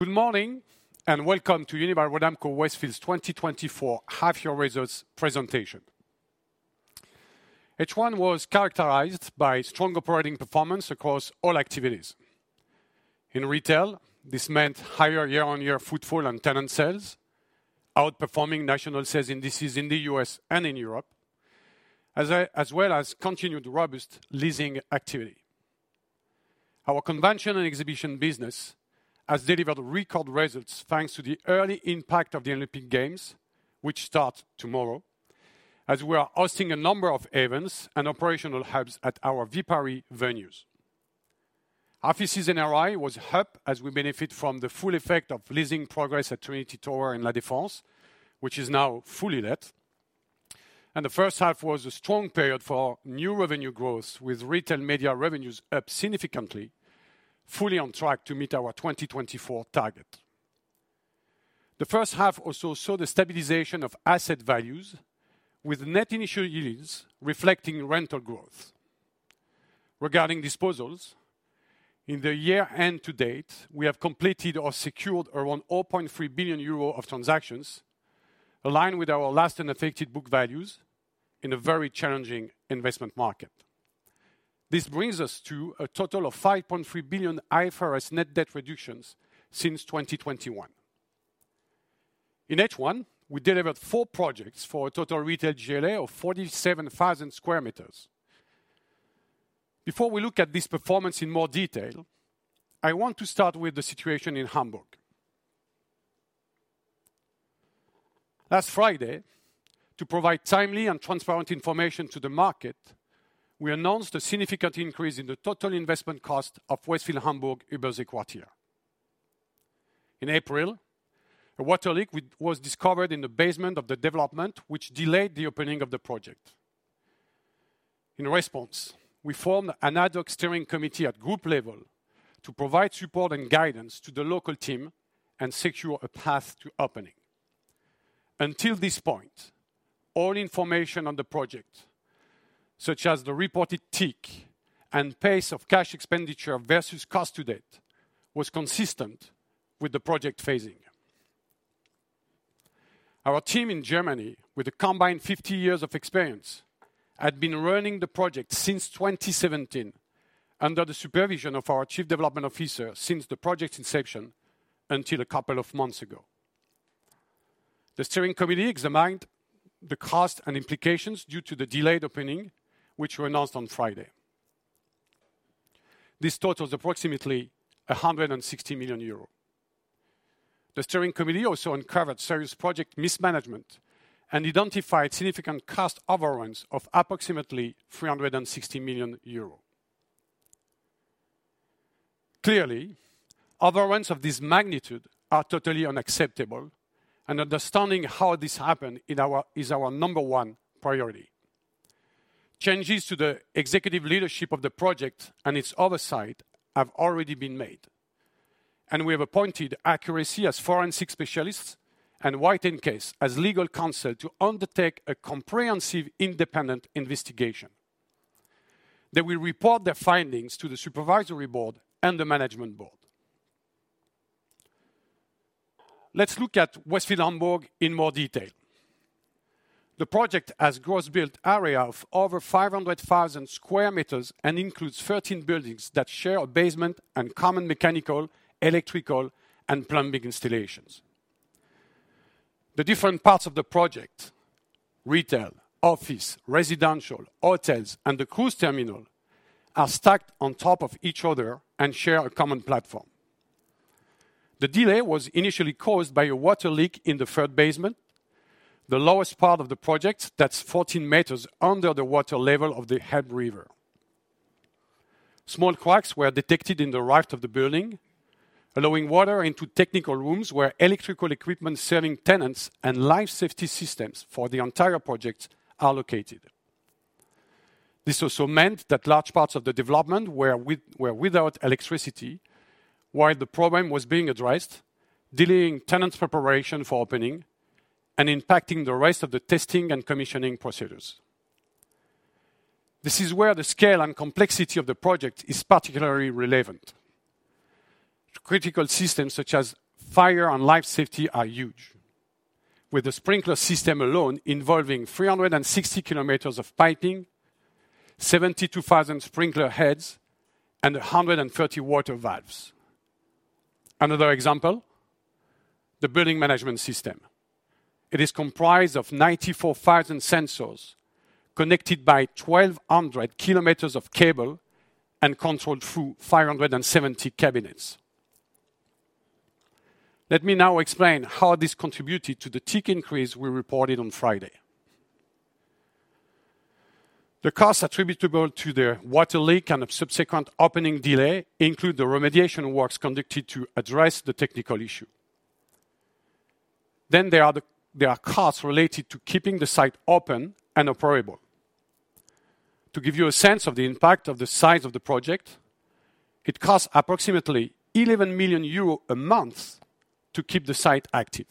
Good morning and welcome to Unibail-Rodamco-Westfield's 2024 Half-Year Results Presentation. H1 was characterized by strong operating performance across all activities. In retail, this meant higher year-on-year footfall and tenant sales, outperforming national sales indices in the U.S. and in Europe, as well as continued robust leasing activity. Our convention and exhibition business has delivered record results thanks to the early impact of the Olympic Games, which start tomorrow, as we are hosting a number of events and operational hubs at our Viparis venues. Our office in L.A. was up as we benefit from the full effect of leasing progress at Trinity Tower in La Défense, which is now fully let. The first half was a strong period for new revenue growth, with retail media revenues up significantly, fully on track to meet our 2024 target. The first half also saw the stabilization of asset values, with net initial yields reflecting rental growth. Regarding disposals, in the year-to-date, we have completed or secured around 0.3 billion euro of transactions, aligned with our last unaffected book values in a very challenging investment market. This brings us to a total of 5.3 billion IFRS net debt reductions since 2021. In H1, we delivered four projects for a total retail GLA of 47,000 square meters. Before we look at this performance in more detail, I want to start with the situation in Hamburg. Last Friday, to provide timely and transparent information to the market, we announced a significant increase in the total investment cost of Westfield Hamburg-Überseequartier. In April, a water leak was discovered in the basement of the development, which delayed the opening of the project. In response, we formed an ad hoc steering committee at group level to provide support and guidance to the local team and secure a path to opening. Until this point, all information on the project, such as the reported TIC and pace of cash expenditure versus cost to date, was consistent with the project phasing. Our team in Germany, with a combined 50 years of experience, had been running the project since 2017 under the supervision of our Chief Development Officer since the project's inception until a couple of months ago. The steering committee examined the cost and implications due to the delayed opening, which were announced on Friday. This totaled approximately 160 million euros. The steering committee also uncovered serious project mismanagement and identified significant cost overruns of approximately 360 million euros. Clearly, overruns of this magnitude are totally unacceptable, and understanding how this happened is our number one priority. Changes to the executive leadership of the project and its oversight have already been made, and we have appointed Accuracy as forensic specialists and White & Case as legal counsel to undertake a comprehensive independent investigation. They will report their findings to the supervisory board and the management board. Let's look at Westfield Hamburg in more detail. The project has gross built area of over 500,000 sqm and includes 13 buildings that share a basement and common mechanical, electrical, and plumbing installations. The different parts of the project, retail, office, residential, hotels, and the cruise terminal, are stacked on top of each other and share a common platform. The delay was initially caused by a water leak in the third basement, the lowest part of the project, that's 14 meters under the water level of the Elbe River. Small cracks were detected in the right of the building, allowing water into technical rooms where electrical equipment serving tenants and life safety systems for the entire project are located. This also meant that large parts of the development were without electricity while the problem was being addressed, delaying tenants' preparation for opening and impacting the rest of the testing and commissioning procedures. This is where the scale and complexity of the project is particularly relevant. Critical systems such as fire and life safety are huge, with the sprinkler system alone involving 360 km of piping, 72,000 sprinkler heads, and 130 water valves. Another example: the building management system. It is comprised of 94,000 sensors connected by 1,200 km of cable and controlled through 570 cabinets. Let me now explain how this contributed to the TIC increase we reported on Friday. The costs attributable to the water leak and subsequent opening delay include the remediation works conducted to address the technical issue. Then there are costs related to keeping the site open and operable. To give you a sense of the impact of the size of the project, it costs approximately 11 million euros a month to keep the site active.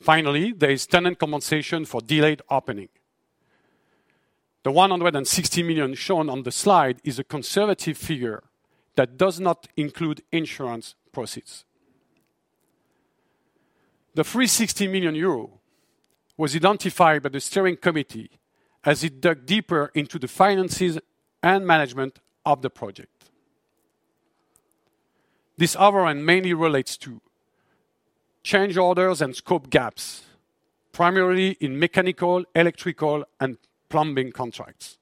Finally, there is tenant compensation for delayed opening. The 160 million shown on the slide is a conservative figure that does not include insurance proceeds. The 360 million euro was identified by the steering committee as it dug deeper into the finances and management of the project. This overrun mainly relates to change orders and scope gaps, primarily in mechanical, electrical, and plumbing contracts,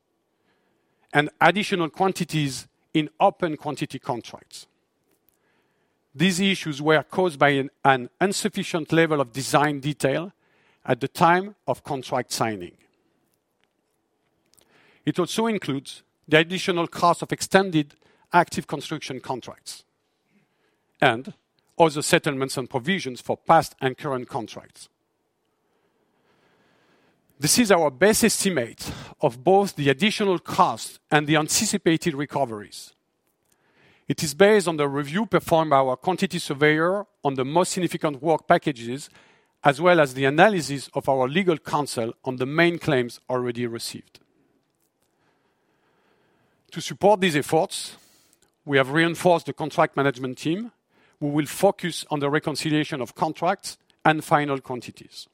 and additional quantities in open quantity contracts. These issues were caused by an insufficient level of design detail at the time of contract signing. It also includes the additional cost of extended active construction contracts and other settlements and provisions for past and current contracts. This is our best estimate of both the additional costs and the anticipated recoveries. It is based on the review performed by our quantity surveyor on the most significant work packages, as well as the analysis of our legal counsel on the main claims already received. To support these efforts, we have reinforced the contract management team, who will focus on the reconciliation of contracts and final quantities.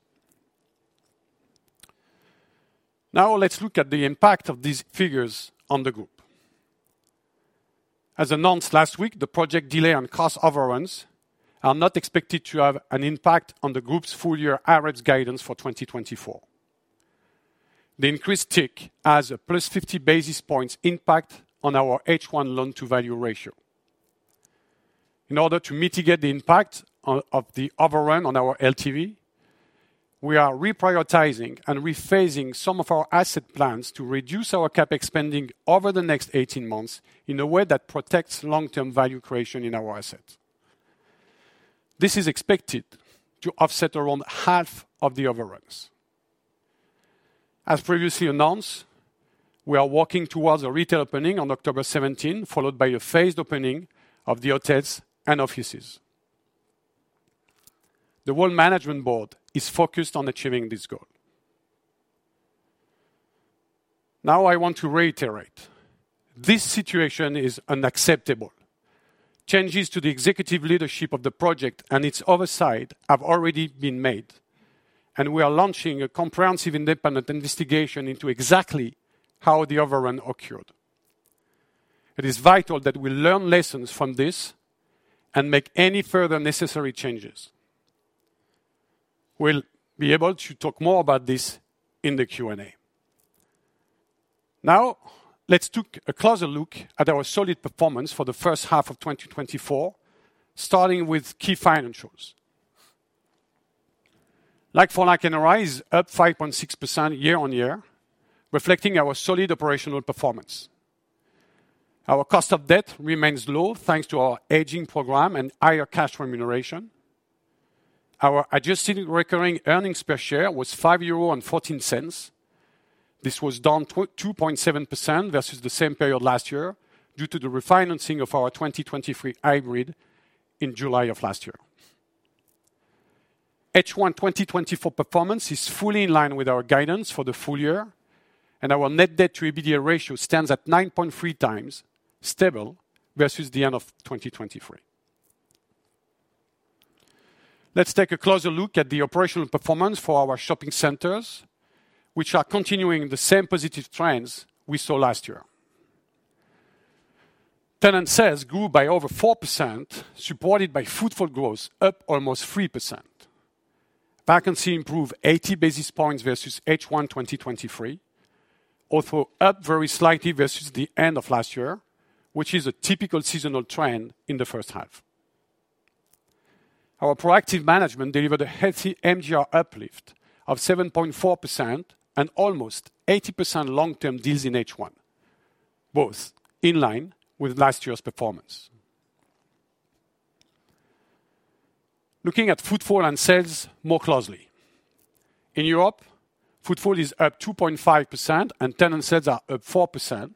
Now, let's look at the impact of these figures on the group. As announced last week, the project delay and cost overruns are not expected to have an impact on the group's full-year average guidance for 2024. The increased TIC has a plus 50 basis points impact on our H1 loan-to-value ratio. In order to mitigate the impact of the overrun on our LTV, we are reprioritizing and rephasing some of our asset plans to reduce our CapEx spending over the next 18 months in a way that protects long-term value creation in our assets. This is expected to offset around half of the overruns. As previously announced, we are working towards a retail opening on October 17, followed by a phased opening of the hotels and offices. The World Management Board is focused on achieving this goal. Now, I want to reiterate: this situation is unacceptable. Changes to the executive leadership of the project and its oversight have already been made, and we are launching a comprehensive independent investigation into exactly how the overrun occurred. It is vital that we learn lessons from this and make any further necessary changes. We'll be able to talk more about this in the Q&A. Now, let's take a closer look at our solid performance for the first half of 2024, starting with key financials. Like-for-like NRI is up 5.6% year-on-year, reflecting our solid operational performance. Our cost of debt remains low thanks to our aging program and higher cash remuneration. Our adjusted recurring earnings per share was 5.14 euro. This was down 2.7% versus the same period last year due to the refinancing of our 2023 hybrid in July of last year. H1 2024 performance is fully in line with our guidance for the full year, and our net debt-to-EBITDA ratio stands at 9.3 times, stable versus the end of 2023. Let's take a closer look at the operational performance for our shopping centers, which are continuing the same positive trends we saw last year. Tenant sales grew by over 4%, supported by footfall growth, up almost 3%. Vacancy improved 80 basis points versus H1 2023, although up very slightly versus the end of last year, which is a typical seasonal trend in the first half. Our proactive management delivered a healthy MGR uplift of 7.4% and almost 80% long-term deals in H1, both in line with last year's performance. Looking at footfall and sales more closely, in Europe, footfall is up 2.5% and tenant sales are up 4%.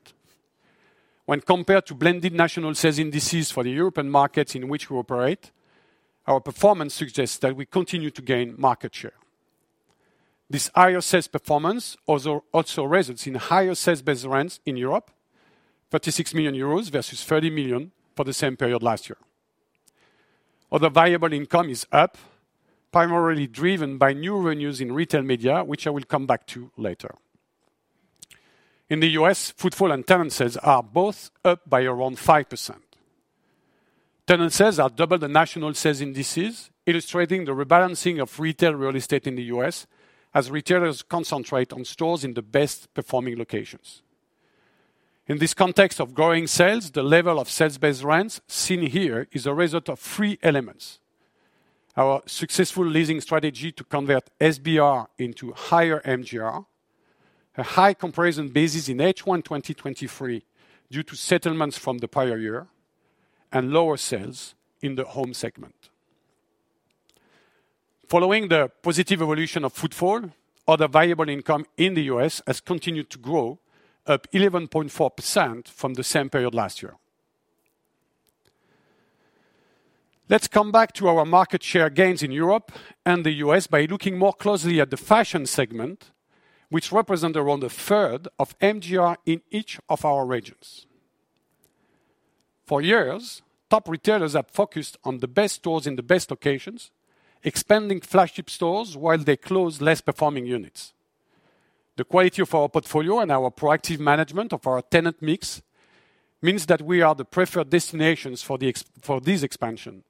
When compared to blended national sales indices for the European markets in which we operate, our performance suggests that we continue to gain market share. This higher sales performance also results in higher sales base rents in Europe, 36 million euros versus 30 million for the same period last year. Other variable income is up, primarily driven by new revenues in retail media, which I will come back to later. In the U.S., footfall and tenant sales are both up by around 5%. Tenant sales are double the national sales indices, illustrating the rebalancing of retail real estate in the U.S., as retailers concentrate on stores in the best-performing locations. In this context of growing sales, the level of sales base rents seen here is a result of three elements: our successful leasing strategy to convert SBR into higher MGR, a high comparison basis in H1 2023 due to settlements from the prior year, and lower sales in the home segment. Following the positive evolution of footfall, other variable income in the U.S. has continued to grow, up 11.4% from the same period last year. Let's come back to our market share gains in Europe and the U.S. by looking more closely at the fashion segment, which represents around a third of NGR in each of our regions. For years, top retailers have focused on the best stores in the best locations, expanding flagship stores while they close less performing units. The quality of our portfolio and our proactive management of our tenant mix means that we are the preferred destinations for this expansion,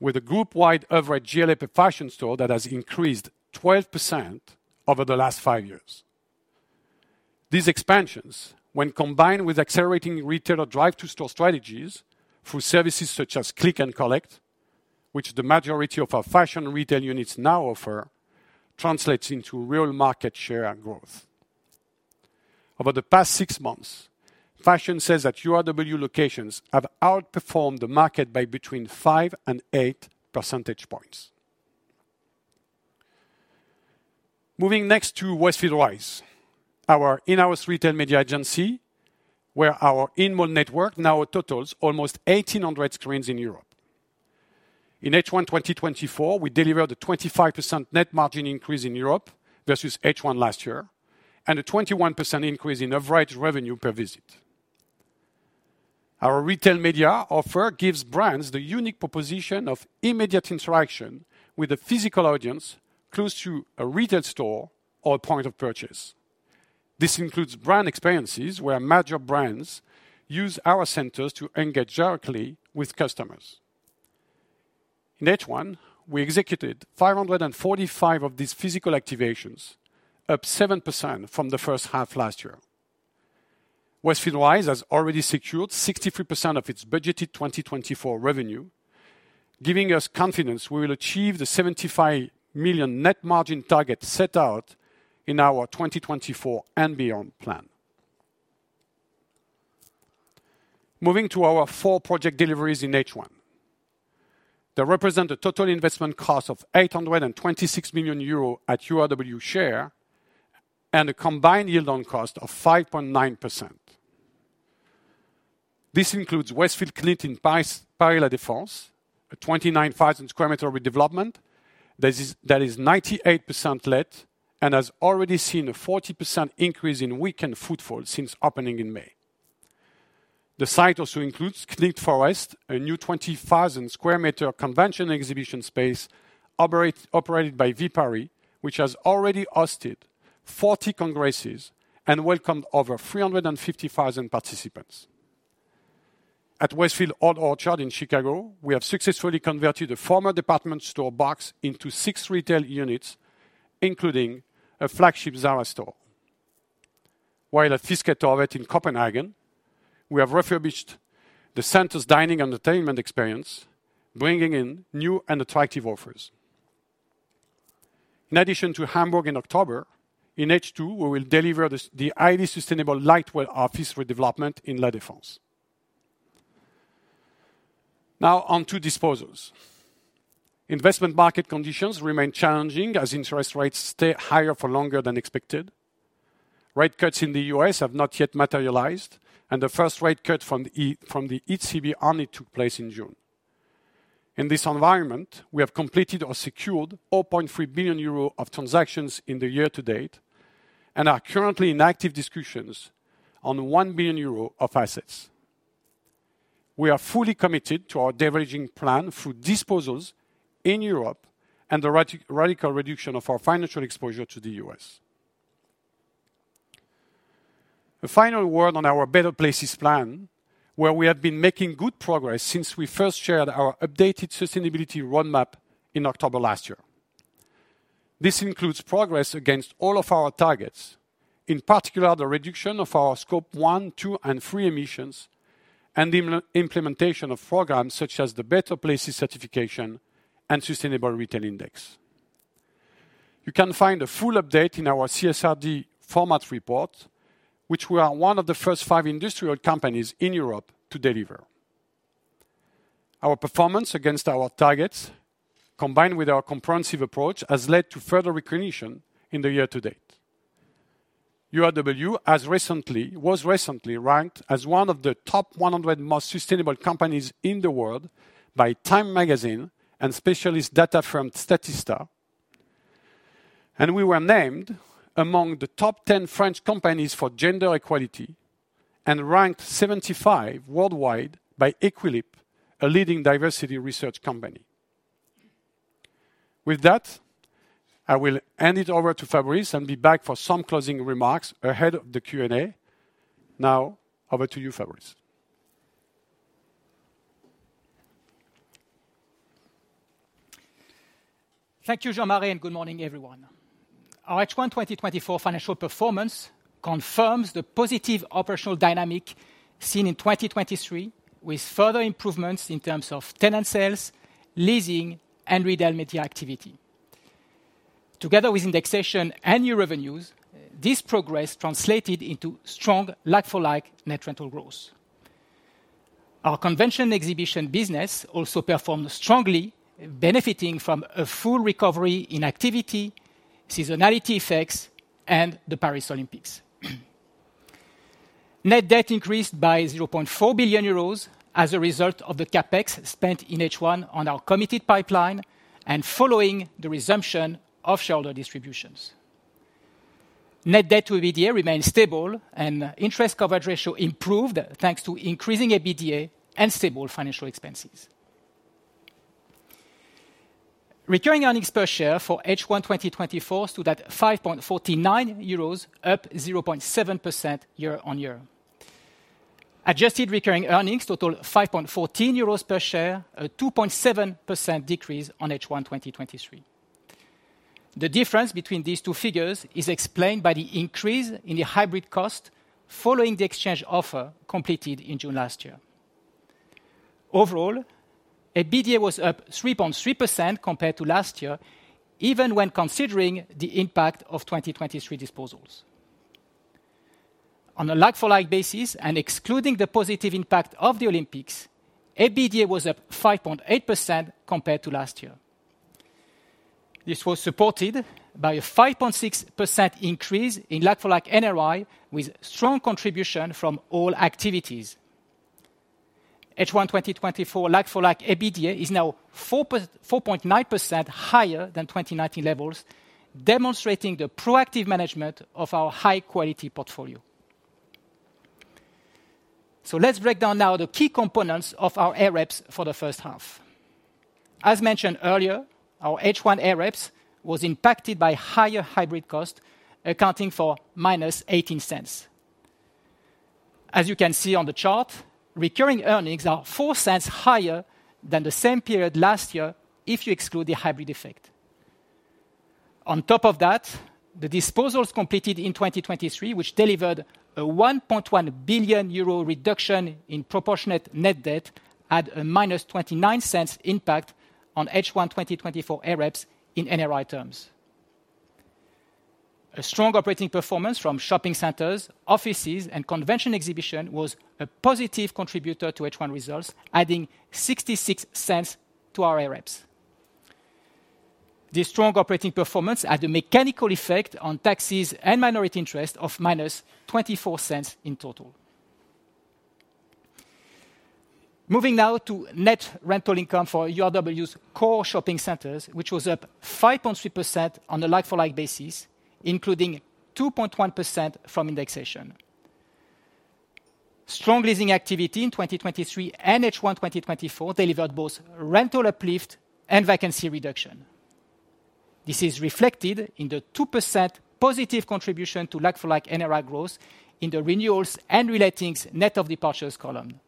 with a group-wide average [GLAP] fashion store that has increased 12% over the last five years. These expansions, when combined with accelerating retailer drive-to-store strategies through services such as Click and Collect, which the majority of our fashion retail units now offer, translates into real market share and growth. Over the past six months, fashion sales at URW locations have outperformed the market by between 5 and 8 percentage points. Moving next to Westfield Rise, our in-house retail media agency, where our inbound network now totals almost 1,800 screens in Europe. In H1 2024, we delivered a 25% net margin increase in Europe versus H1 last year and a 21% increase in average revenue per visit. Our retail media offer gives brands the unique proposition of immediate interaction with a physical audience close to a retail store or a point of purchase. This includes brand experiences where major brands use our centers to engage directly with customers. In H1, we executed 545 of these physical activations, up 7% from the first half last year. Westfield Rise has already secured 63% of its budgeted 2024 revenue, giving us confidence we will achieve the 75 million net margin target set out in our 2024 and beyond plan. Moving to our four project deliveries in H1, they represent a total investment cost of 826 million euro at URW share and a combined yield-on-cost of 5.9%. This includes Westfield [Forum des Halles] in Paris-La Défense, a 29,000 sqm redevelopment that is 98% let and has already seen a 40% increase in weekend footfall since opening in May. The site also includes CNIT Forest, a new 20,000 sqm convention exhibition space operated by Viparis, which has already hosted 40 congresses and welcomed over 350,000 participants. At Westfield Old Orchard in Chicago, we have successfully converted a former department store box into six retail units, including a flagship Zara store. While at Fisketorvet in Copenhagen, we have refurbished the center's dining and entertainment experience, bringing in new and attractive offers. In addition to Westfield Hamburg-Überseequartier in October, in H2, we will deliver the highly sustainable Lightwell office redevelopment in La Défense. Now, on to disposals. Investment market conditions remain challenging as interest rates stay higher for longer than expected. Rate cuts in the US have not yet materialized, and the first rate cut from the ECB only took place in June. In this environment, we have completed or secured 4.3 billion euros of transactions in the year to date and are currently in active discussions on 1 million euro of assets. We are fully committed to our diverging plan through disposals in Europe and the radical reduction of our financial exposure to the US. A final word on our Better Places plan, where we have been making good progress since we first shared our updated sustainability roadmap in October last year. This includes progress against all of our targets, in particular the reduction of our Scope 1, 2, and 3 emissions and the implementation of [programs] such as the Better Places Certification and Sustainable Retail Index. You can find a full update in our CSRD format report, which we are one of the first 5 industrial companies in Europe to deliver. Our performance against our targets, combined with our comprehensive approach, has led to further recognition in the year to date. URW was recently ranked as one of the top 100 most sustainable companies in the world by Time Magazine and specialist data firm Statista, and we were named among the top 10 French companies for gender equality and ranked 75 worldwide by Equileap, a leading diversity research company. With that, I will hand it over to Fabrice and be back for some closing remarks ahead of the Q&A. Now, over to you, Fabrice. Thank you, Jean-Marie, and good morning, everyone. Our H1 2024 financial performance confirms the positive operational dynamic seen in 2023, with further improvements in terms of tenant sales, leasing, and retail media activity. Together with indexation and new revenues, this progress translated into strong like-for-like net rental growth. Our convention exhibition business also performed strongly, benefiting from a full recovery in activity, seasonality effects, and the Paris Olympics. Net debt increased by 0.4 billion euros as a result of the CapEx spent in H1 on our committed pipeline and following the resumption of shareholder distributions. Net debt to EBITDA remained stable, and interest coverage ratio improved thanks to increasing EBITDA and stable financial expenses. Recurring earnings per share for H1 2024 stood at 5.49 euros, up 0.7% year-on-year. Adjusted recurring earnings totaled 5.14 euros per share, a 2.7% decrease on H1 2023. The difference between these two figures is explained by the increase in the hybrid cost following the exchange offer completed in June last year. Overall, EBITDA was up 3.3% compared to last year, even when considering the impact of 2023 disposals. On a like-for-like basis, and excluding the positive impact of the Olympics, EBITDA was up 5.8% compared to last year. This was supported by a 5.6% increase in like-for-like NRI, with strong contribution from all activities. H1 2024 like-for-like EBITDA is now 4.9% higher than 2019 levels, demonstrating the proactive management of our high-quality portfolio. So let's break down now the key components of our AREPs for the first half. As mentioned earlier, our H1 AREPs was impacted by higher hybrid cost, accounting for -0.18. As you can see on the chart, recurring earnings are 0.04 higher than the same period last year if you exclude the hybrid effect. On top of that, the disposals completed in 2023, which delivered a 1.1 billion euro reduction in proportionate net debt, had a -0.29 impact on H1 2024 AREPs in NRI terms. A strong operating performance from shopping centers, offices, and convention exhibition was a positive contributor to H1 results, adding 0.66 to our AREPs. This strong operating performance had a mechanical effect on taxes and minority interest of -0.24 in total. Moving now to net rental income for URW's core shopping centers, which was up 5.3% on a like-for-like basis, including 2.1% from indexation. Strong leasing activity in 2023 and H1 2024 delivered both rental uplift and vacancy reduction. This is reflected in the 2% positive contribution to like-for-like NRI growth in the renewals and relettings net of departures column.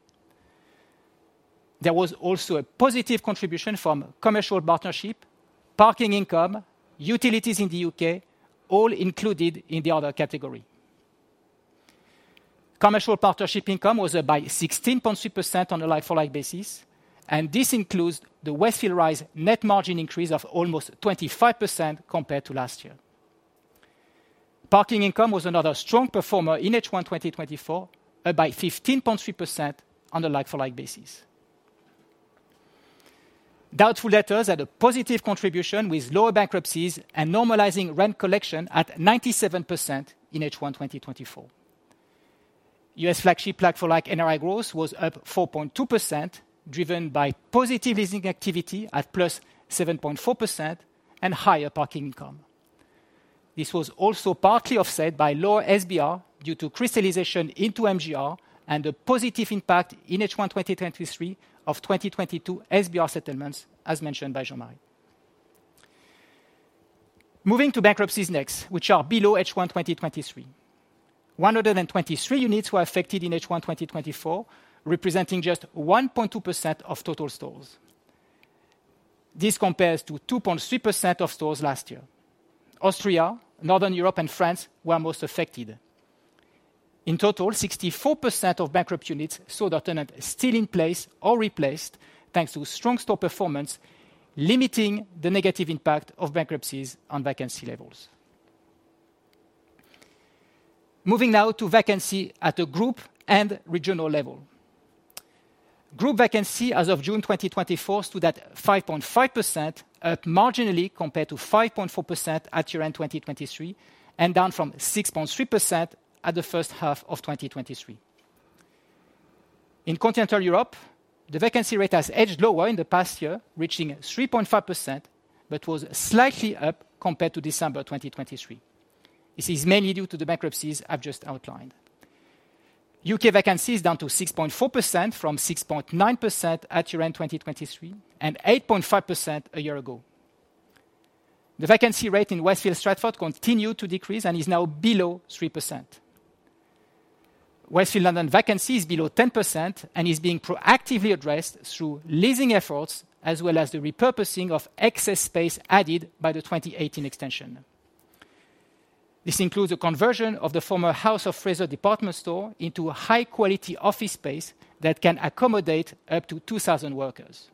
There was also a positive contribution from commercial partnership, parking income, utilities in the U.K., all included in the other category. Commercial partnership income was up by 16.3% on a like-for-like basis, and this includes the Westfield Rise net margin increase of almost 25% compared to last year. Parking income was another strong performer in H1 2024, up by 15.3% on a like-for-like basis. Doubtful debtors had a positive contribution with lower bankruptcies and normalizing rent collection at 97% in H1 2024. U.S. flagship like-for-like NRI growth was up 4.2%, driven by positive leasing activity at +7.4% and higher parking income. This was also partly offset by lower SBR due to crystallization into MGR and the positive impact in H1 2023 of 2022 SBR settlements, as mentioned by Jean-Marie. Moving to bankruptcies next, which are below H1 2023. 123 units were affected in H1 2024, representing just 1.2% of total stores. This compares to 2.3% of stores last year. Austria, Northern Europe, and France were most affected. In total, 64% of bankrupt units saw their tenant still in place or replaced, thanks to strong store performance, limiting the negative impact of bankruptcies on vacancy levels. Moving now to vacancy at the group and regional level. Group vacancy as of June 2024 stood at 5.5%, up marginally compared to 5.4% at year-end 2023 and down from 6.3% at the first half of 2023. In continental Europe, the vacancy rate has edged lower in the past year, reaching 3.5%, but was slightly up compared to December 2023. This is mainly due to the bankruptcies I've just outlined. UK vacancies down to 6.4% from 6.9% at year-end 2023 and 8.5% a year ago. The vacancy rate in Westfield Stratford continued to decrease and is now below 3%. Westfield London vacancy is below 10% and is being proactively addressed through leasing efforts as well as the repurposing of excess space added by the 2018 extension. This includes a conversion of the former House of Fraser department store into high-quality office space that can accommodate up to 2,000 workers.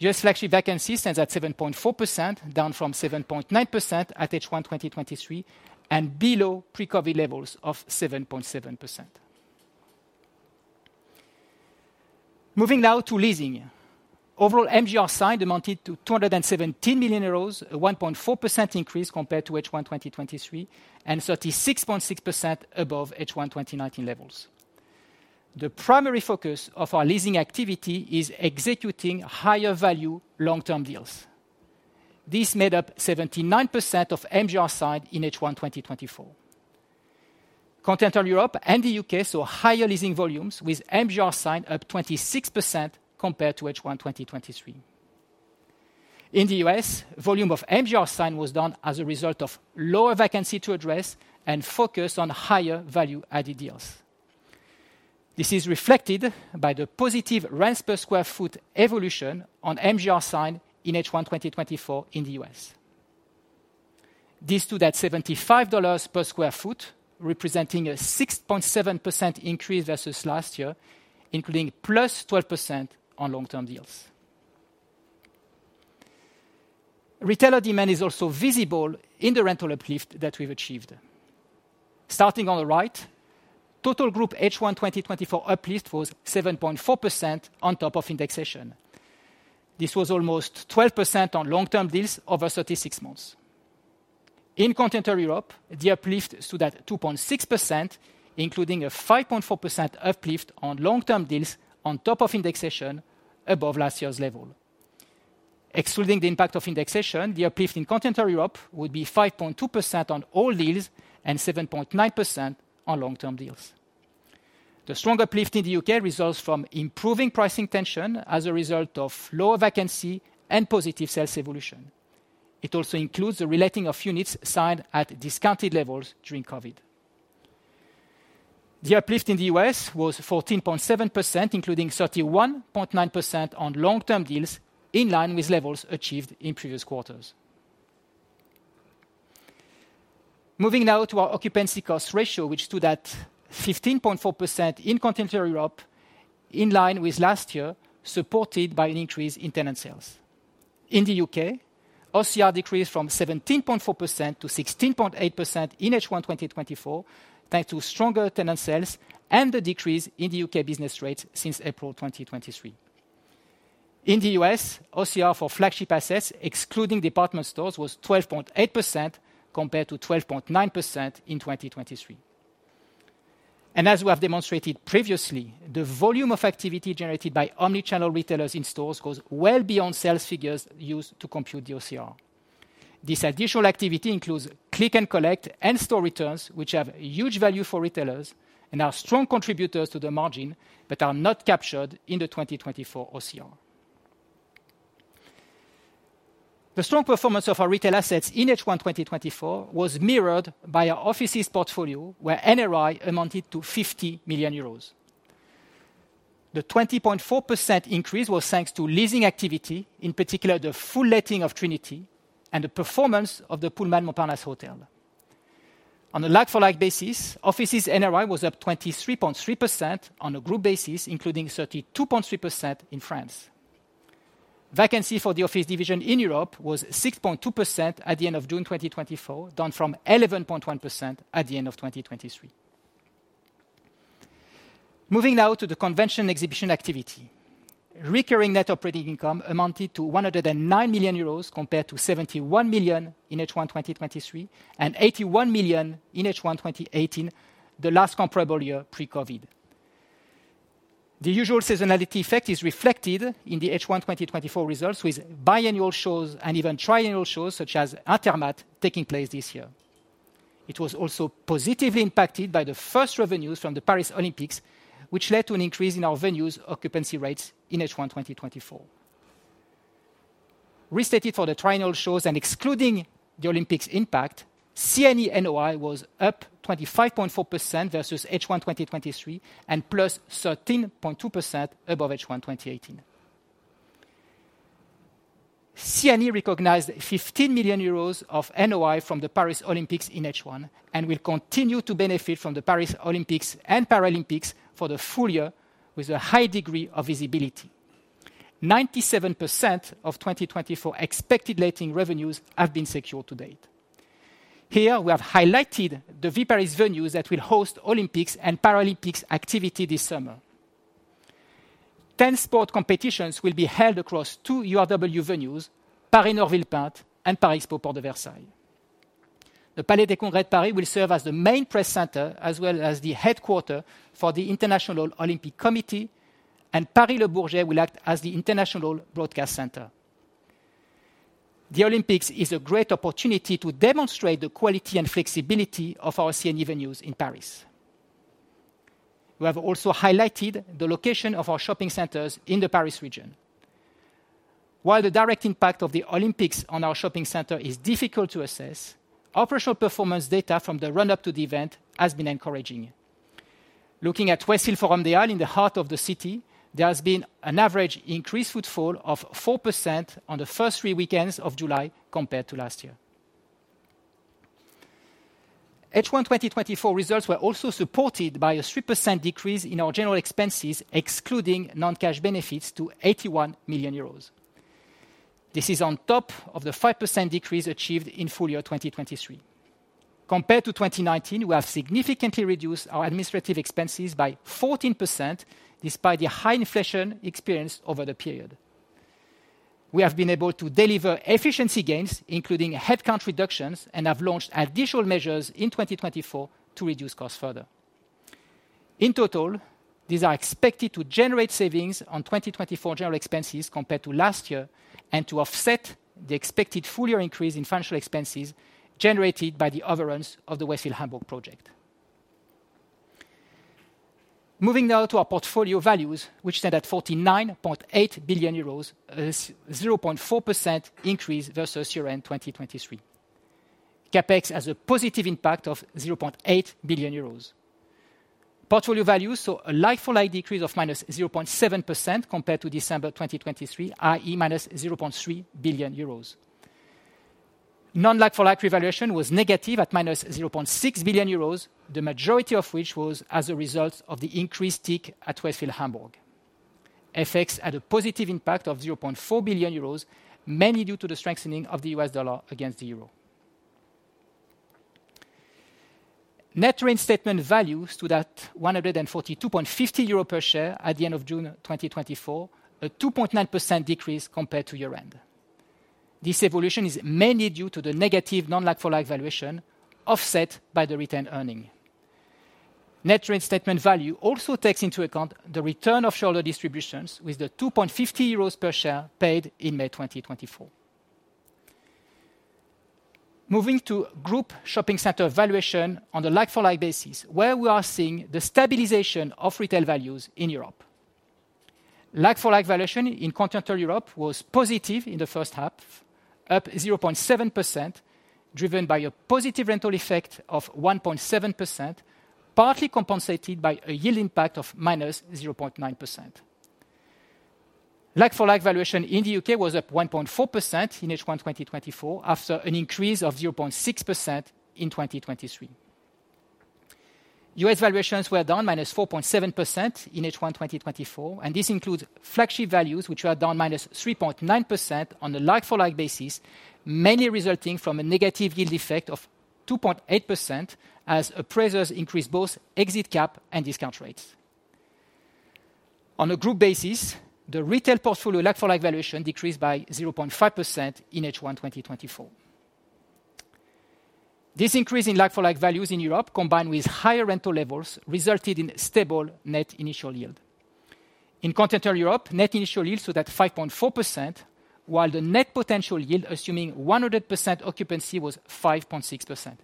US flagship vacancy stands at 7.4%, down from 7.9% at H1 2023 and below pre-COVID levels of 7.7%. Moving now to leasing. Overall, MGR signed amounted to 217 million euros, a 1.4% increase compared to H1 2023 and 36.6% above H1 2019 levels. The primary focus of our leasing activity is executing higher-value long-term deals. This made up 79% of MGR signed in H1 2024. Continental Europe and the UK saw higher leasing volumes, with MGR signed up 26% compared to H1 2023. In the US, volume of MGR signed was done as a result of lower vacancy to address and focus on higher-value added deals. This is reflected by the positive rents per sq ft evolution on MGR signed in H1 2024 in the US. These stood at $75 per sq ft, representing a 6.7% increase versus last year, including plus 12% on long-term deals. Retailer demand is also visible in the rental uplift that we've achieved. Starting on the right, total group H1 2024 uplift was 7.4% on top of indexation. This was almost 12% on long-term deals over 36 months. In continental Europe, the uplift stood at 2.6%, including a 5.4% uplift on long-term deals on top of indexation above last year's level. Excluding the impact of indexation, the uplift in continental Europe would be 5.2% on all deals and 7.9% on long-term deals. The strong uplift in the UK results from improving pricing tension as a result of lower vacancy and positive sales evolution. It also includes the reletting of units signed at discounted levels during COVID. The uplift in the US was 14.7%, including 31.9% on long-term deals in line with levels achieved in previous quarters. Moving now to our occupancy cost ratio, which stood at 15.4% in continental Europe, in line with last year, supported by an increase in tenant sales. In the U.K., OCR decreased from 17.4% to 16.8% in H1 2024, thanks to stronger tenant sales and the decrease in the U.K. business rates since April 2023. In the U.S., OCR for flagship assets, excluding department stores, was 12.8% compared to 12.9% in 2023. As we have demonstrated previously, the volume of activity generated by omnichannel retailers in stores goes well beyond sales figures used to compute the OCR. This additional activity includes Click and Collect and store returns, which have huge value for retailers and are strong contributors to the margin but are not captured in the 2024 OCR. The strong performance of our retail assets in H1 2024 was mirrored by our offices portfolio, where NRI amounted to 50 million euros. The 20.4% increase was thanks to leasing activity, in particular the full letting of Trinity and the performance of the Pullman Paris Montparnasse Hotel. On a like-for-like basis, offices NRI was up 23.3% on a group basis, including 32.3% in France. Vacancy for the office division in Europe was 6.2% at the end of June 2024, down from 11.1% at the end of 2023. Moving now to the convention exhibition activity. Recurring net operating income amounted to 109 million euros compared to 71 million in H1 2023 and 81 million in H1 2018, the last comparable year pre-COVID. The usual seasonality effect is reflected in the H1 2024 results, with biennial shows and even triennial shows such as [Intermatt] taking place this year. It was also positively impacted by the first revenues from the Paris Olympics, which led to an increase in our venues occupancy rates in H1 2024. Restated for the triennial shows and excluding the Olympics impact, CNE NOI was up 25.4% versus H1 2023 and plus 13.2% above H1 2018. CNE recognized 15 million euros of NOI from the Paris Olympics in H1 and will continue to benefit from the Paris Olympics and Paralympics for the full year with a high degree of visibility. 97% of 2024 expected letting revenues have been secured to date. Here, we have highlighted the Viparis venues that will host Olympics and Paralympics activity this summer. 10 sport competitions will be held across two URW venues, Paris-Nord-Villepinte and Paris Expo Porte de Versailles. The Palais des Congrès de Paris will serve as the main press center as well as the headquarters for the International Olympic Committee, and Paris-Le Bourget will act as the International Broadcast Center. The Olympics is a great opportunity to demonstrate the quality and flexibility of our CNE venues in Paris. We have also highlighted the location of our shopping centers in the Paris region. While the direct impact of the Olympics on our shopping center is difficult to assess, operational performance data from the run-up to the event has been encouraging. Looking at Westfield Forum des Halles in the heart of the city, there has been an average increased footfall of 4% on the first three weekends of July compared to last year. H1 2024 results were also supported by a 3% decrease in our general expenses, excluding non-cash benefits, to 81 million euros. This is on top of the 5% decrease achieved in full year 2023. Compared to 2019, we have significantly reduced our administrative expenses by 14% despite the high inflation experienced over the period. We have been able to deliver efficiency gains, including headcount reductions, and have launched additional measures in 2024 to reduce costs further. In total, these are expected to generate savings on 2024 general expenses compared to last year and to offset the expected full year increase in financial expenses generated by the overruns of the Westfield Hamburg project. Moving now to our portfolio values, which stand at 49.8 billion euros, a 0.4% increase versus year-end 2023. CapEx has a positive impact of 0.8 billion euros. Portfolio values saw a like-for-like decrease of -0.7% compared to December 2023, i.e., -0.3 billion euros. Non-like-for-like revaluation was negative at -0.6 billion euros, the majority of which was as a result of the increased TIC at Westfield Hamburg. FX had a positive impact of 0.4 billion euros, mainly due to the strengthening of the U.S. dollar against the euro. Net REIN statement value stood at 142.50 euros per share at the end of June 2024, a 2.9% decrease compared to year-end. This evolution is mainly due to the negative non-like-for-like valuation offset by the retained earning. Net REIN statement value also takes into account the return of shareholder distributions, with the 2.50 euros per share paid in May 2024. Moving to group shopping center valuation on a like-for-like basis, where we are seeing the stabilization of retail values in Europe. Like-for-like valuation in continental Europe was positive in the first half, up +0.7%, driven by a positive rental effect of +1.7%, partly compensated by a yield impact of -0.9%. Like-for-like valuation in the U.K. was up +1.4% in H1 2024 after an increase of +0.6% in 2023. U.S. valuations were down -4.7% in H1 2024, and this includes flagship values, which were down -3.9% on a like-for-like basis, mainly resulting from a negative yield effect of -2.8% as appraisers increased both exit cap and discount rates. On a group basis, the retail portfolio like-for-like valuation decreased by 0.5% in H1 2024. This increase in like-for-like values in Europe, combined with higher rental levels, resulted in stable net initial yield. In continental Europe, net initial yield stood at 5.4%, while the net potential yield, assuming 100% occupancy, was 5.6%.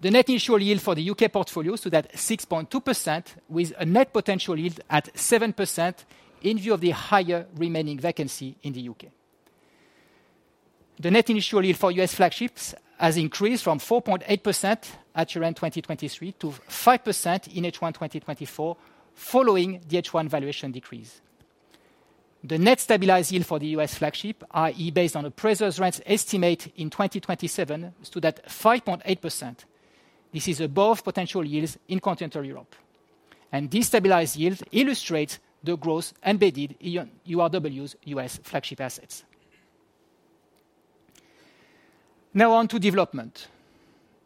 The net initial yield for the U.K. portfolio stood at 6.2%, with a net potential yield at 7% in view of the higher remaining vacancy in the U.K. The net initial yield for U.S. flagships has increased from 4.8% at year-end 2023 to 5% in H1 2024, following the H1 valuation decrease. The net stabilized yield for the U.S. flagship, i.e., based on appraisers' rents estimate in 2027, stood at 5.8%. This is above potential yields in continental Europe. And these stabilized yields illustrate the growth embedded in URW's U.S. flagship assets. Now on to development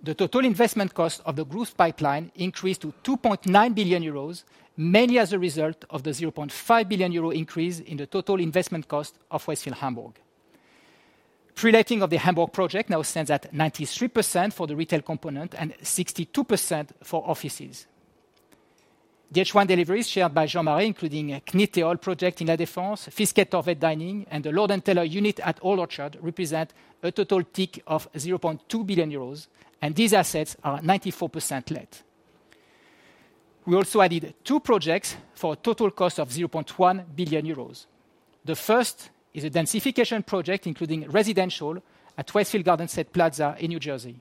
The total investment cost of the growth pipeline increased to 2.9 billion euros, mainly as a result of the 0.5 billion euro increase in the total investment cost of Westfield Hamburg. Pre-letting of the Hamburg project now stands at 93% for the retail component and 62% for offices. The H1 deliveries shared by Jean-Marie, including a CNIT Hall project in La Défense, Fisketorvet Dining, and the Lord & Taylor unit at Old Orchard, represent a total TIC of 0.2 billion euros, and these assets are 94% let. We also added two projects for a total cost of 0.1 billion euros. The first is a densification project, including residential at Westfield Garden State Plaza in New Jersey.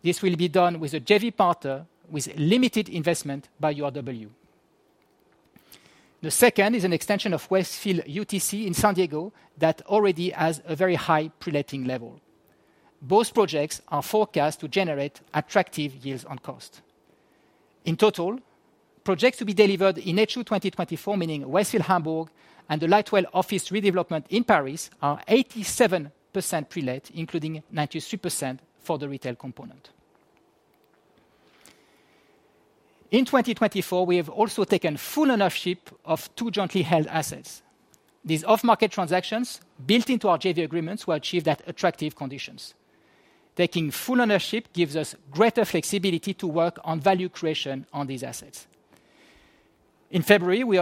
This will be done with a JV partner with limited investment by URW. The second is an extension of Westfield UTC in San Diego that already has a very high pre-letting level. Both projects are forecast to generate attractive yields on cost. In total, projects to be delivered in H2 2024, meaning Westfield Hamburg and the Lightwell office redevelopment in Paris, are 87% pre-let, including 93% for the retail component. In 2024, we have also taken full ownership of two jointly held assets. These off-market transactions built into our JV agreements will achieve those attractive conditions. Taking full ownership gives us greater flexibility to work on value creation on these assets. In February, we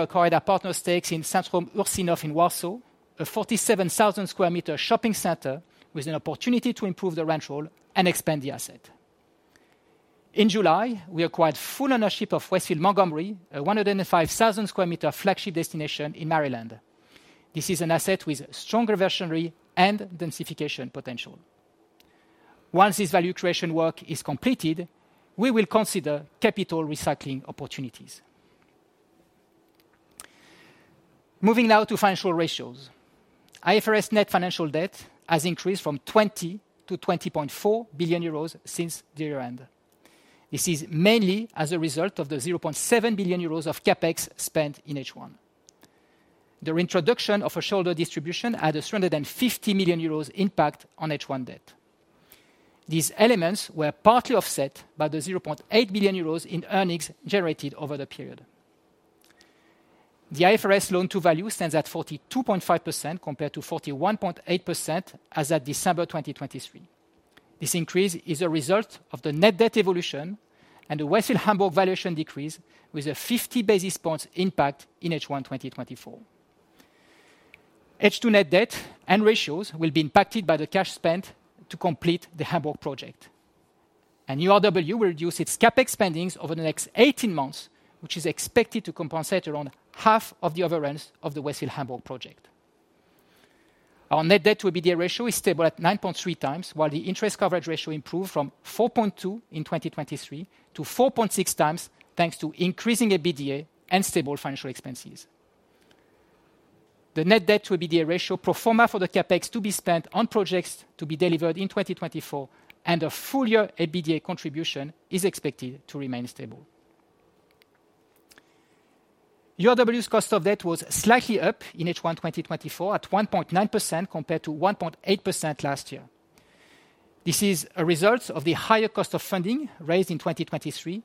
ac quired a partner stake in Centrum Ursynów in Warsaw, a 47,000 square meter shopping center with an opportunity to improve the rental and expand the asset. In July, we acquired full ownership of Westfield Montgomery, a 105,000 square meter flagship destination in Maryland. This is an asset with stronger reversionary and densification potential. Once this value creation work is completed, we will consider capital project. Our net debt to EBITDA ratio is stable at 9.3 times, while the interest coverage ratio improved from 4.2 in 2023 to 4.6 times thanks to increasing EBITDA and stable financial expenses. The net debt to EBITDA ratio pro forma for the CapEx to be spent on projects to be delivered in 2024, and a full year EBITDA contribution is expected to remain stable. URW's cost of debt was slightly up in H1 2024 at 1.9% compared to 1.8% last year. This is a result of the higher cost of funding raised in 2023,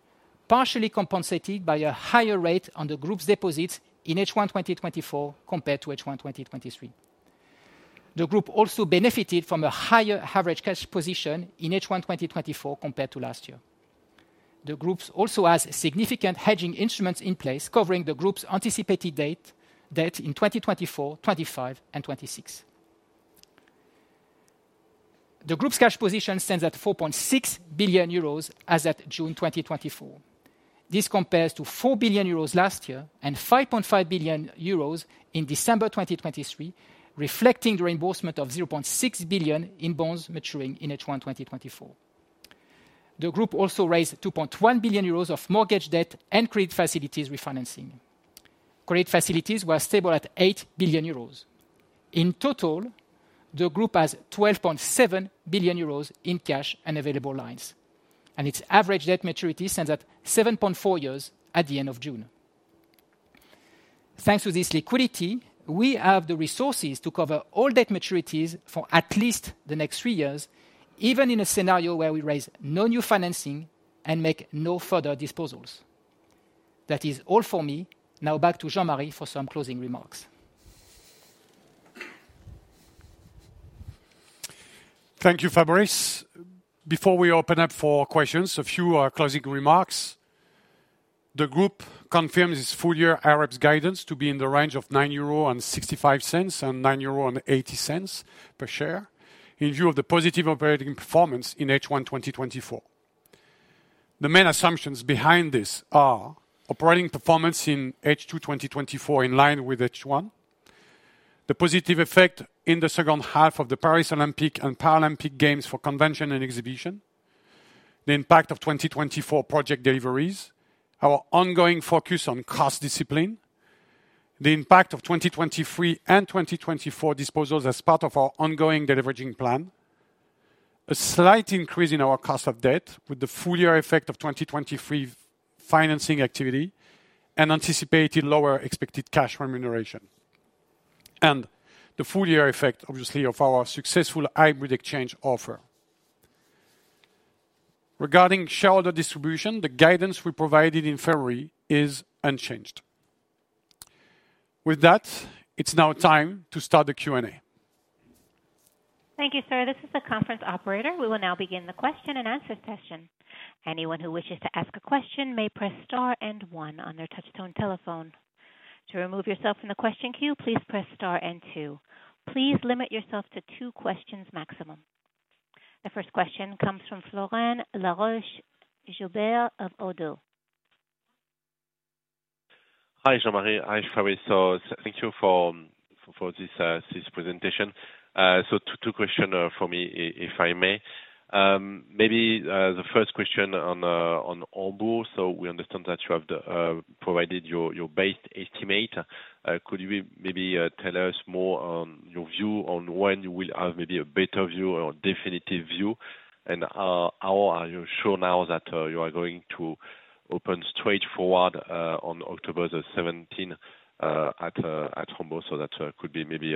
partially compensated by a higher rate on the group's deposits in H1 2024 compared to H1 2023. The group also benefited from a higher average cash position in H1 2024 compared to last year. The group also has significant hedging instruments in place covering the group's anticipated date in 2024, 2025, and 2026. The group's cash position stands at 4.6 billion euros as at June 2024. This compares to 4 billion euros last year and 5.5 billion euros in December 2023, reflecting the reimbursement of 0.6 billion in bonds maturing in H1 2024. The group also raised 2.1 billion euros of mortgage debt and credit facilities refinancing. Credit facilities were stable at 8 billion euros. In total, the group has 12.7 billion euros in cash and available lines, and its average debt maturity stands at 7.4 years at the end of June. Thanks to this liquidity, we have the resources to cover all debt maturities for at least the next three years, even in a scenario where we raise no new financing and make no further disposals. That is all for me. Now back to Jean-Marie for some closing remarks. Thank you, Fabrice. Before we open up for questions, a few closing remarks. The group confirms its full year AREPS guidance to be in the range of 9.65-9.80 euro per share in view of the positive operating performance in H1 2024. The main assumptions behind this are operating performance in H2 2024 in line with H1, the positive effect in the second half of the Paris Olympic and Paralympic Games for convention and exhibition, the impact of 2024 project deliveries, our ongoing focus on cost discipline, the impact of 2023 and 2024 disposals as part of our ongoing delivery plan, a slight increase in our cost of debt with the full year effect of 2023 financing activity and anticipated lower expected cash remuneration, and the full year effect, obviously, of our successful hybrid exchange offer. Regarding shareholder distribution, the guidance we provided in February is unchanged. With that, it's now time to start the Q&A. Thank you, sir. This is the conference operator. We will now begin the question and answer session. Anyone who wishes to ask a question may press star and 1 on their touch-tone telephone. To remove yourself from the question queue, please press star and 2. Please limit yourself to two questions maximum. The first question comes from Florent Laroche-Joubert of Oddo. Hi, Jean-Marie. Hi, Fabrice. Thank you for this presentation. So, two questions for me, if I may. Maybe the first question on Obo. So, we understand that you have provided your base estimate. Could you maybe tell us more on your view on when you will have maybe a better view or definitive view? And how are you sure now that you are going to open straightforward on October the 17th at Hamburg? So, that could be maybe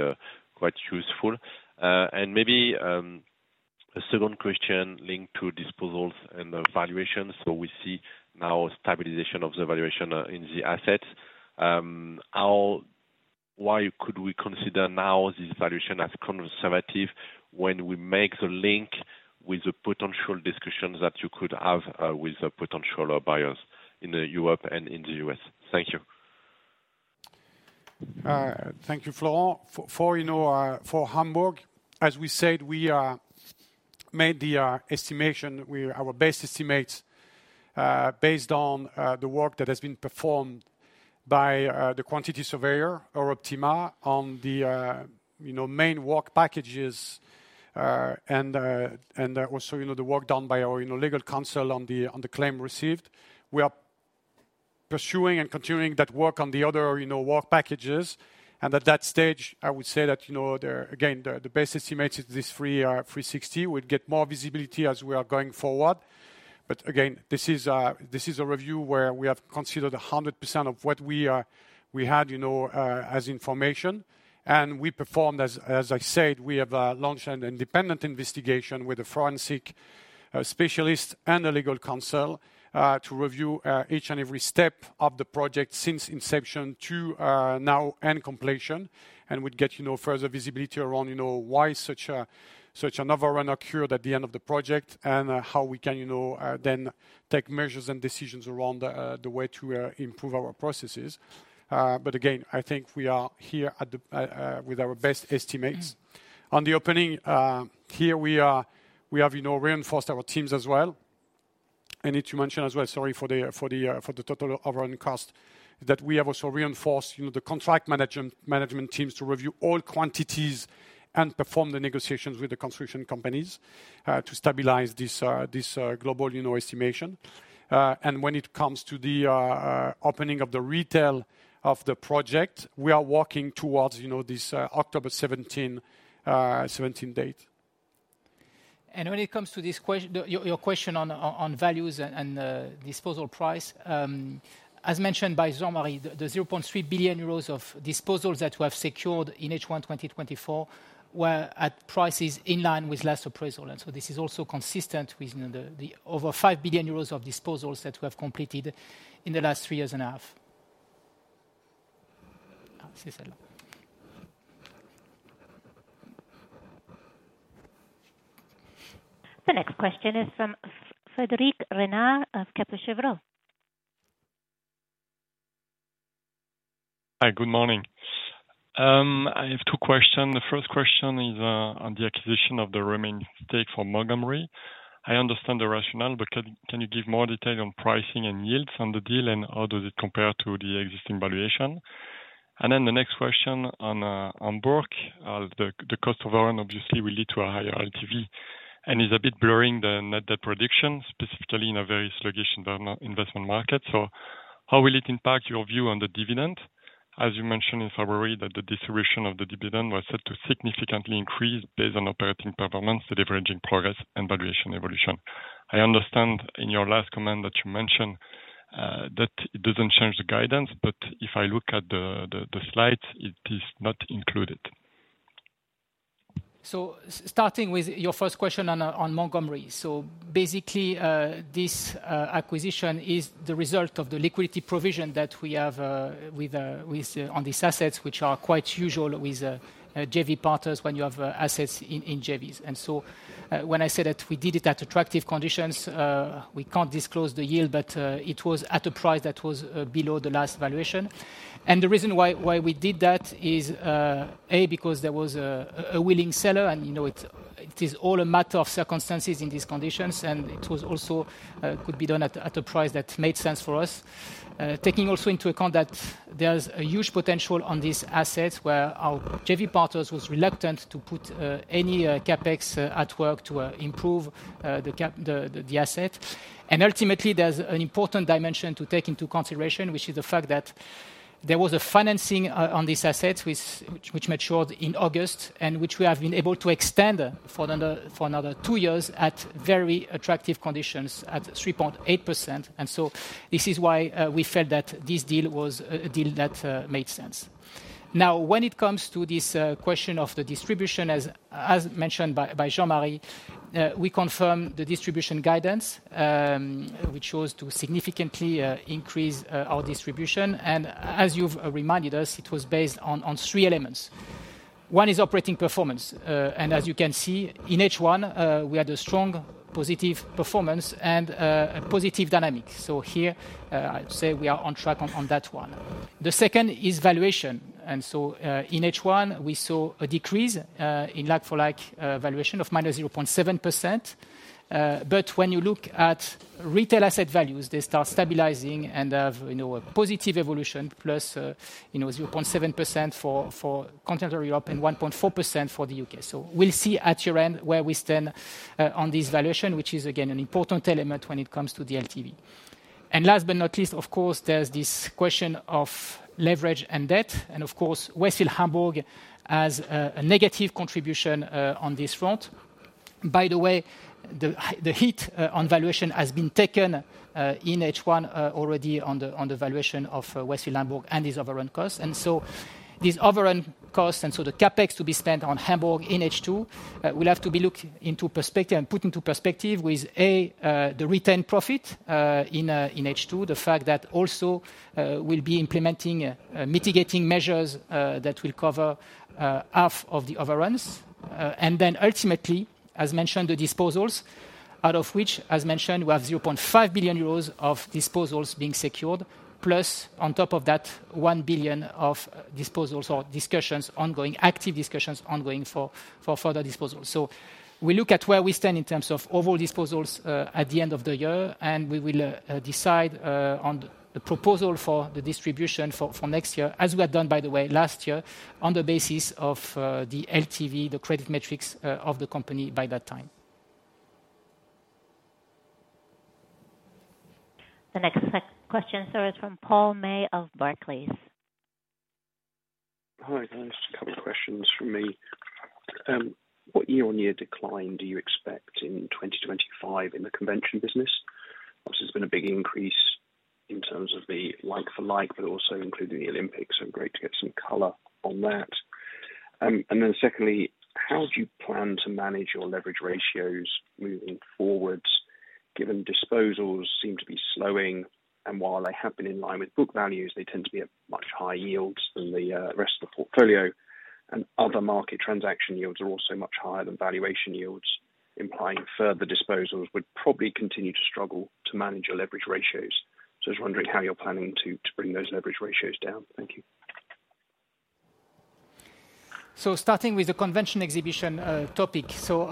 quite useful. Maybe a second question linked to disposals and valuation. So, we see now a stabilization of the valuation in the assets. Why could we consider now this valuation as conservative when we make the link with the potential discussions that you could have with potential buyers in Europe and in the U.S.? Thank you. Thank you, Florent. For Hamburg, as we said, we made the estimation, our base estimate, based on the work that has been performed by the quantity surveyor, or Optima, on the main work packages and also the work done by our legal counsel on the claim received. We are pursuing and continuing that work on the other work packages. At that stage, I would say that, again, the base estimate is this 360. We'll get more visibility as we are going forward. But again, this is a review where we have considered 100% of what we had as information. We performed, as I said, we have launched an independent investigation with a forensic specialist and a legal counsel to review each and every step of the project since inception to now and completion. We'd get further visibility around why such an overrun occurred at the end of the project and how we can then take measures and decisions around the way to improve our processes. But again, I think we are here with our best estimates. On the opening, here we have reinforced our teams as well. I need to mention as well, sorry for the total overrun cost, that we have also reinforced the contract management teams to review all quantities and perform the negotiations with the construction companies to stabilize this global estimation. When it comes to the opening of the retail of the project, we are working towards this October 17th date. When it comes to your question on values and disposal price, as mentioned by Jean-Marie, the 0.3 billion euros of disposals that we have secured in H1 2024 were at prices in line with last appraisal. And so, this is also consistent with the over 5 billion euros of disposals that we have completed in the last three years and a half. The next question is from Frédéric Renard of Kepler Cheuvreux. Hi, good morning. I have two questions. The first question is on the acquisition of the remaining stake for Montgomery. I understand the rationale, but can you give more detail on pricing and yields on the deal and how does it compare to the existing valuation? Then the next question on Hamburg, the cost overrun obviously will lead to a higher LTV and is a bit blurring the net debt prediction, specifically in a very sluggish investment market. So, how will it impact your view on the dividend? As you mentioned in February, the distribution of the dividend was said to significantly increase based on operating performance, the leveraging progress, and valuation evolution. I understand in your last comment that you mentioned that it doesn't change the guidance, but if I look at the slides, it is not included. So, starting with your first question on Montgomery. So, basically, this acquisition is the result of the liquidity provision that we have on these assets, which are quite usual with JV partners when you have assets in JVs. When I said that we did it at attractive conditions, we can't disclose the yield, but it was at a price that was below the last valuation. The reason why we did that is, A, because there was a willing seller, and it is all a matter of circumstances in these conditions, and it also could be done at a price that made sense for us. Taking also into account that there's a huge potential on these assets where our JV partners were reluctant to put any CapEx at work to improve the asset. Ultimately, there's an important dimension to take into consideration, which is the fact that there was a financing on these assets which matured in August and which we have been able to extend for another two years at very attractive conditions at 3.8%. So, this is why we felt that this deal was a deal that made sense. Now, when it comes to this question of the distribution, as mentioned by Jean-Marie, we confirmed the distribution guidance. We chose to significantly increase our distribution. As you've reminded us, it was based on three elements. One is operating performance. As you can see, in H1, we had a strong positive performance and a positive dynamic. So, here, I'd say we are on track on that one. The second is valuation. In H1, we saw a decrease in like-for-like valuation of -0.7%. But when you look at retail asset values, they start stabilizing and have a positive evolution, +0.7% for continental Europe and 1.4% for the U.K. So, we'll see at year end where we stand on this valuation, which is, again, an important element when it comes to the LTV. Last but not least, of course, there's this question of leverage and debt. Of course, Westfield Hamburg has a negative contribution on this front. By the way, the hit on valuation has been taken in H1 already on the valuation of Westfield Hamburg and these overrun costs. So, these overrun costs and so the CapEx to be spent on Hamburg in H2, we'll have to be looked into perspective and put into perspective with, A, the retained profit in H2, the fact that also we'll be implementing mitigating measures that will cover half of the overruns. Then ultimately, as mentioned, the disposals, out of which, as mentioned, we have 0.5 billion euros of disposals being secured, plus on top of that, 1 billion of disposals or discussions ongoing, active discussions ongoing for further disposals. So, we look at where we stand in terms of overall disposals at the end of the year, and we will decide on the proposal for the distribution for next year, as we had done, by the way, last year on the basis of the LTV, the credit matrix of the company by that time. The next question, sir, is from Paul J. May of Barclays. Hi, just a couple of questions from me. What year-over-year decline do you expect in 2025 in the convention business? Obviously, there's been a big increase in terms of the like-for-like, but also including the Olympics. So, great to get some color on that. And then secondly, how do you plan to manage your leverage ratios moving forwards, given disposals seem to be slowing? And while they have been in line with book values, they tend to be at much higher yields than the rest of the portfolio. And other market transaction yields are also much higher than valuation yields, implying further disposals would probably continue to struggle to manage your leverage ratios. So, I was wondering how you're planning to bring those leverage ratios down. Thank you. So, starting with the convention exhibition topic, so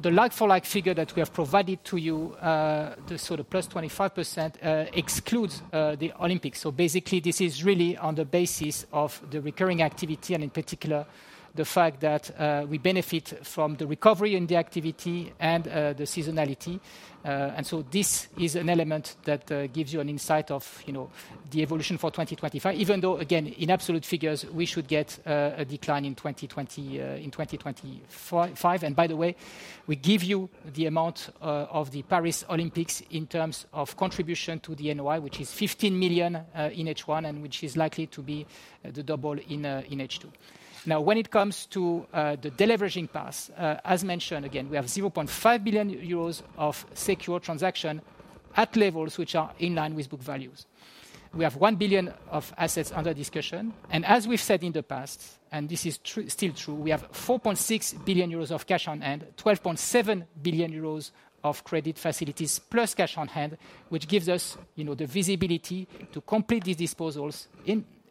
the like-for-like figure that we have provided to you, the sort of +25%, excludes the Olympics. So, basically, this is really on the basis of the recurring activity and in particular the fact that we benefit from the recovery in the activity and the seasonality. And so, this is an element that gives you an insight of the evolution for 2025, even though, again, in absolute figures, we should get a decline in 2025. And by the way, we give you the amount of the Paris Olympics in terms of contribution to the NOI, which is 15 million in H1 and which is likely to be the double in H2. Now, when it comes to the deleveraging path, as mentioned, again, we have 0.5 billion euros of secure transaction at levels which are in line with book values. We have 1 billion of assets under discussion. And as we've said in the past, and this is still true, we have 4.6 billion euros of cash on hand, 12.7 billion euros of credit facilities plus cash on hand, which gives us the visibility to complete these disposals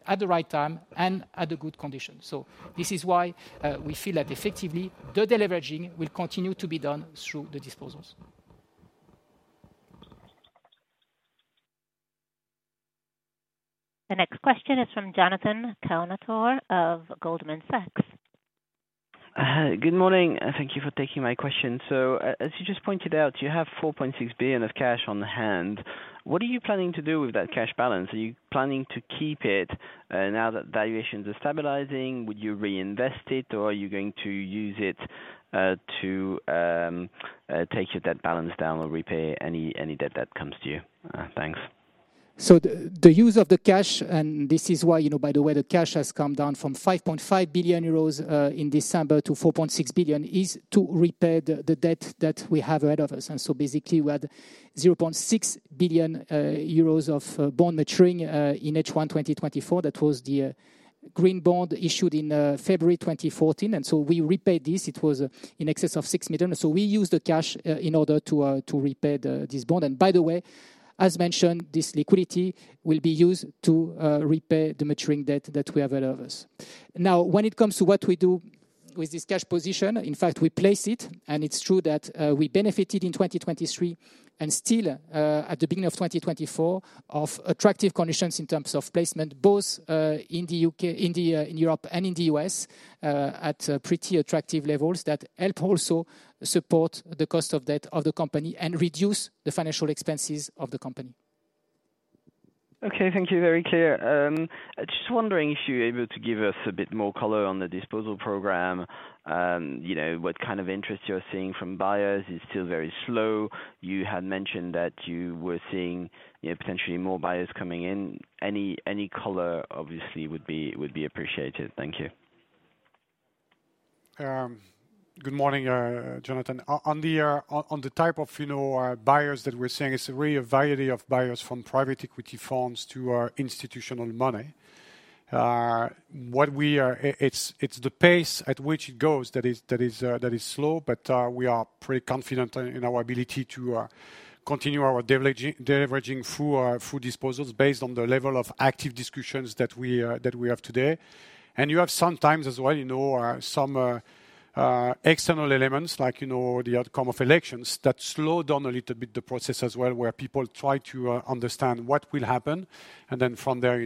at the right time and at a good condition. So, this is why we feel that effectively the deleveraging will continue to be done through the disposals. The next question is from Jonathan Kownator of Goldman Sachs. Good morning. Thank you for taking my question. So, as you just pointed out, you have 4.6 billion of cash on hand. What are you planning to do with that cash balance? Are you planning to keep it now that valuations are stabilizing? Would you reinvest it, or are you going to use it to take your debt balance down or repay any debt that comes to you? Thanks. So, the use of the cash, and this is why, by the way, the cash has come down from 5.5 billion euros in December to 4.6 billion, is to repay the debt that we have ahead of us. And so, basically, we had 0.6 billion euros of bond maturing in H1 2024. That was the green bond issued in February 2014. And so, we repaid this. It was in excess of 6 million. So, we used the cash in order to repay this bond. And by the way, as mentioned, this liquidity will be used to repay the maturing debt that we have ahead of us. Now, when it comes to what we do with this cash position, in fact, we place it, and it's true that we benefited in 2023 and still at the beginning of 2024 of attractive conditions in terms of placement, both in Europe and in the U.S. at pretty attractive levels that help also support the cost of debt of the company and reduce the financial expenses of the company. Okay, thank you. Very clear. Just wondering if you're able to give us a bit more color on the disposal program, what kind of interest you're seeing from buyers? It's still very slow. You had mentioned that you were seeing potentially more buyers coming in. Any color, obviously, would be appreciated. Thank you. Good morning, Jonathan. On the type of buyers that we're seeing, it's really a variety of buyers from private equity funds to institutional money. It's the pace at which it goes that is slow, but we are pretty confident in our ability to continue our deleveraging through disposals based on the level of active discussions that we have today. And you have sometimes as well some external elements, like the outcome of elections, that slow down a little bit the process as well, where people try to understand what will happen, and then from there,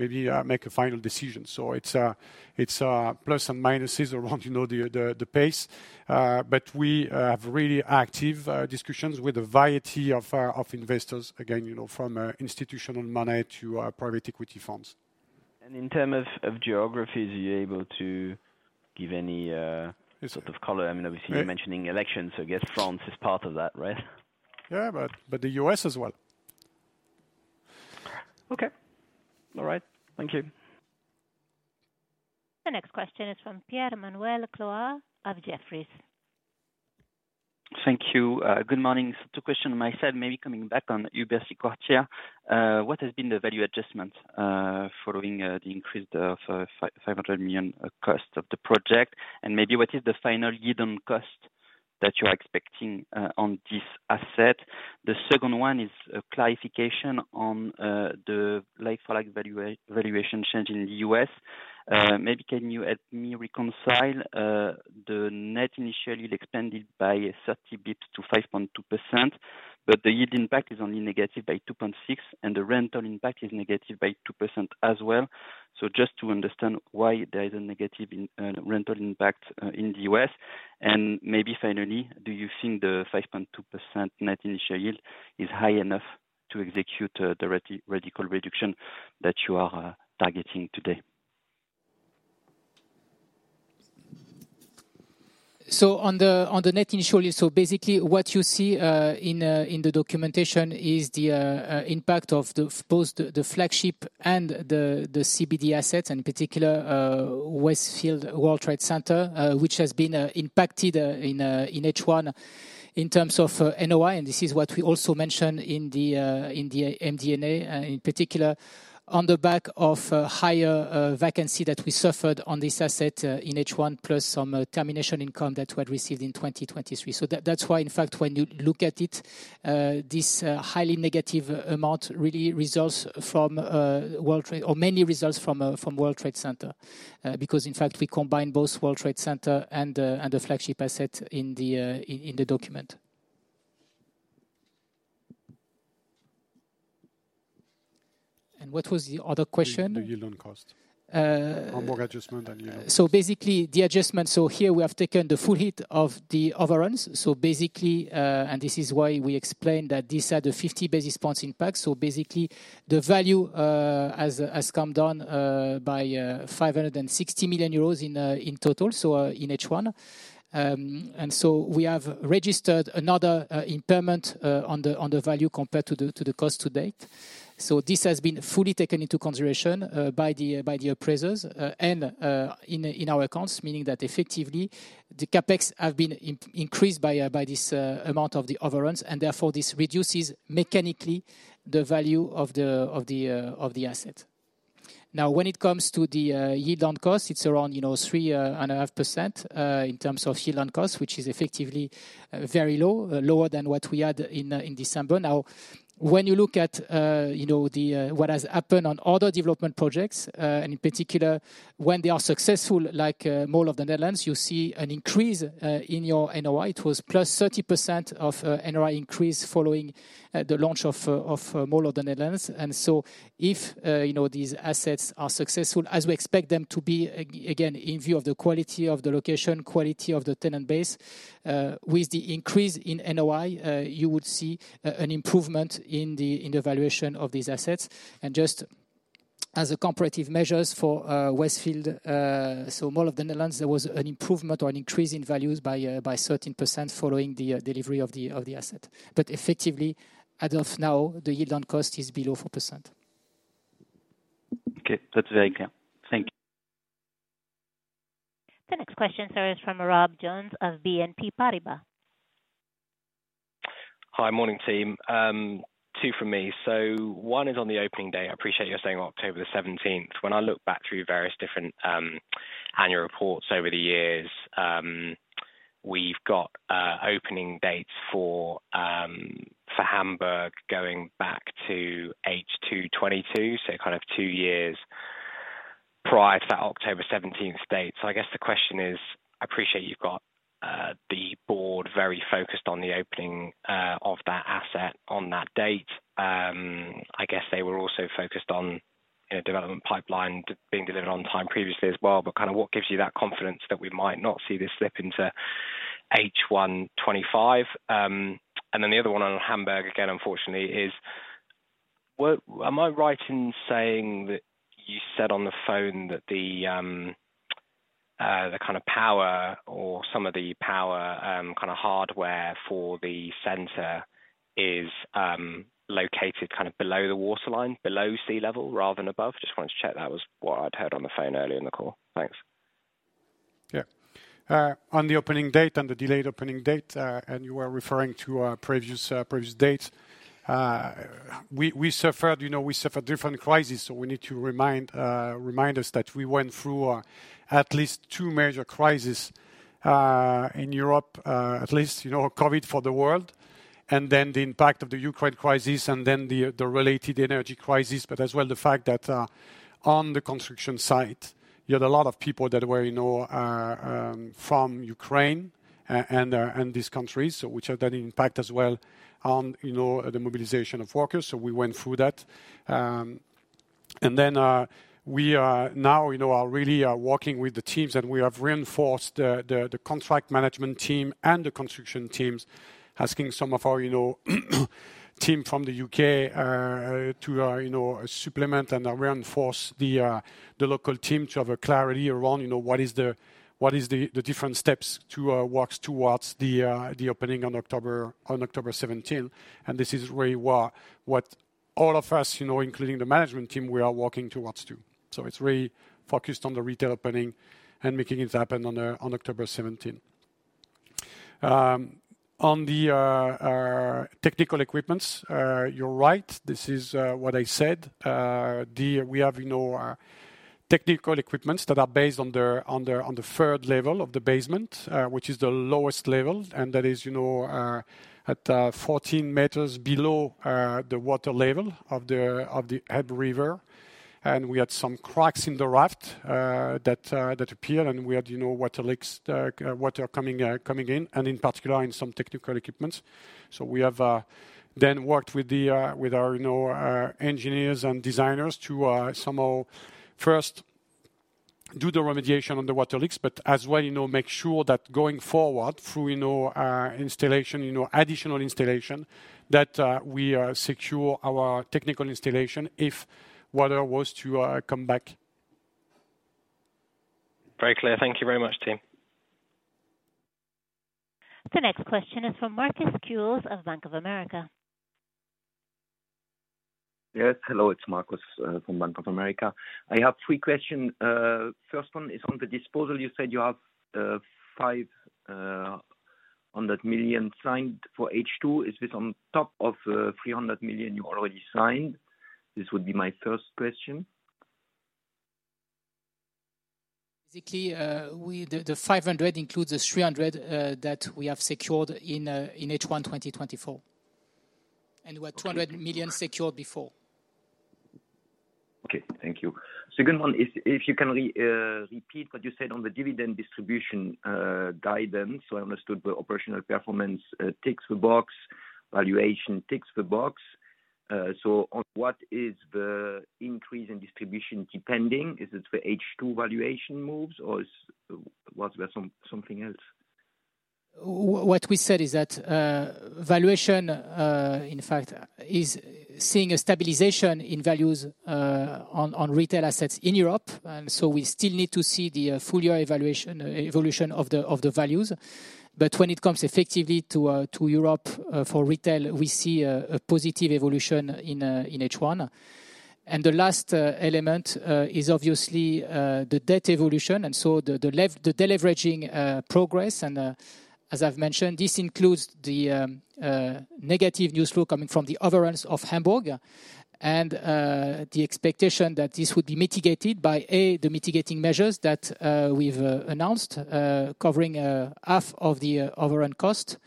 maybe make a final decision. So, it's plus and minuses around the pace. But we have really active discussions with a variety of investors, again, from institutional money to private equity funds. And in terms of geographies, are you able to give any sort of color? I mean, obviously, you're mentioning elections, so I guess France is part of that, right? Yeah, but the U.S. as well. Okay. All right. Thank you. The next question is from Pierre-Emmanuel Clouard of Jefferies. Thank you. Good morning. So, two questions. My side may be coming back on Überseequartier. What has been the value adjustment following the increased 500 million cost of the project? And maybe what is the final yield on cost that you're expecting on this asset? The second one is clarification on the like-for-like valuation change in the U.S. Maybe can you help me reconcile the net initial yield expanded by 30 basis points to 5.2%, but the yield impact is only negative by 2.6%, and the rental impact is negative by 2% as well. So, just to understand why there is a negative rental impact in the US. And maybe finally, do you think the 5.2% net initial yield is high enough to execute the radical reduction that you are targeting today? So, on the net initial yield, so basically what you see in the documentation is the impact of both the flagship and the CBD assets, and in particular, Westfield World Trade Center, which has been impacted in H1 in terms of NOI. And this is what we also mentioned in the MD&A, in particular, on the back of higher vacancy that we suffered on this asset in H1, plus some termination income that we had received in 2023. So, that's why, in fact, when you look at it, this highly negative amount really results from World Trade or mainly results from World Trade Center, because in fact, we combine both World Trade Center and the flagship asset in the document. What was the other question? The yield on cost. Or more adjustment than yield on cost. So, basically, the adjustment, so here we have taken the full hit of the overruns. So, basically, and this is why we explained that this had a 50 basis points impact. So, basically, the value has come down by 560 million euros in total, so in H1. So, we have registered another impairment on the value compared to the cost to date. This has been fully taken into consideration by the appraisers and in our accounts, meaning that effectively the CapEx have been increased by this amount of the overruns, and therefore this reduces mechanically the value of the asset. Now, when it comes to the yield on cost, it's around 3.5% in terms of yield on cost, which is effectively very low, lower than what we had in December. Now, when you look at what has happened on other development projects, and in particular, when they are successful, like Mall of the Netherlands, you see an increase in your NOI. It was +30% of NOI increase following the launch of Mall of the Netherlands. And so, if these assets are successful, as we expect them to be, again, in view of the quality of the location, quality of the tenant base, with the increase in NOI, you would see an improvement in the valuation of these assets. And just as a comparative measure for Westfield, so Mall of the Netherlands, there was an improvement or an increase in values by 13% following the delivery of the asset. But effectively, as of now, the yield on cost is below 4%. Okay, that's very clear. Thank you. The next question, sir, is from Rob Jones of BNP Paribas. Hi, morning, team. Two from me. So, one is on the opening day. I appreciate you're saying October the 17th. When I look back through various different annual reports over the years, we've got opening dates for Hamburg going back to H2 2022, so kind of two years prior to that October 17th date. So, I guess the question is, I appreciate you've got the board very focused on the opening of that asset on that date. I guess they were also focused on development pipeline being delivered on time previously as well, but kind of what gives you that confidence that we might not see this slip into H1 2025? And then the other one on Hamburg, again, unfortunately, is, am I right in saying that you said on the phone that the kind of power or some of the power kind of hardware for the center is located kind of below the waterline, below sea level rather than above? Just wanted to check. That was what I'd heard on the phone earlier in the call. Thanks. Yeah. On the opening date and the delayed opening date, and you were referring to previous dates, we suffered different crises. So, we need to remind us that we went through at least two major crises in Europe, at least COVID for the world, and then the impact of the Ukraine crisis, and then the related energy crisis, but as well the fact that on the construction site, you had a lot of people that were from Ukraine and these countries, which had an impact as well on the mobilization of workers. So, we went through that. Then we now are really working with the teams, and we have reinforced the contract management team and the construction teams, asking some of our team from the UK to supplement and reinforce the local team to have a clarity around what is the different steps to work towards the opening on October 17th. This is really what all of us, including the management team, we are working towards too. It's really focused on the retail opening and making it happen on October 17th. On the technical equipments, you're right. This is what I said. We have technical equipments that are based on the third level of the basement, which is the lowest level, and that is at 14 meters below the water level of the Elbe River. We had some cracks in the raft that appeared, and we had water leaks, water coming in, and in particular in some technical equipment. We have then worked with our engineers and designers to somehow first do the remediation on the water leaks, but as well make sure that going forward through additional installation, that we secure our technical installation if water was to come back. Very clear. Thank you very much, team. The next question is from Marcus Kules of Bank of America. Yes, hello. It's Marcus from Bank of America. I have three questions. First one is on the disposal. You said you have 500 million signed for H2. Is this on top of 300 million you already signed? This would be my first question. Basically, the 500 million includes the 300 million that we have secured in H1 2024. We had 200 million secured before. Okay, thank you. Second one is if you can repeat what you said on the dividend distribution guidance. So, I understood the operational performance ticks the box, valuation ticks the box. So, on what is the increase in distribution depending? Is it the H2 valuation moves, or was there something else? What we said is that valuation, in fact, is seeing a stabilization in values on retail assets in Europe. And so, we still need to see the full year evolution of the values. But when it comes effectively to Europe for retail, we see a positive evolution in H1. And the last element is obviously the debt evolution. The deleveraging progress, and as I've mentioned, this includes the negative news flow coming from the overruns of Hamburg and the expectation that this would be mitigated by A, the mitigating measures that we've announced covering half of the overrun cost.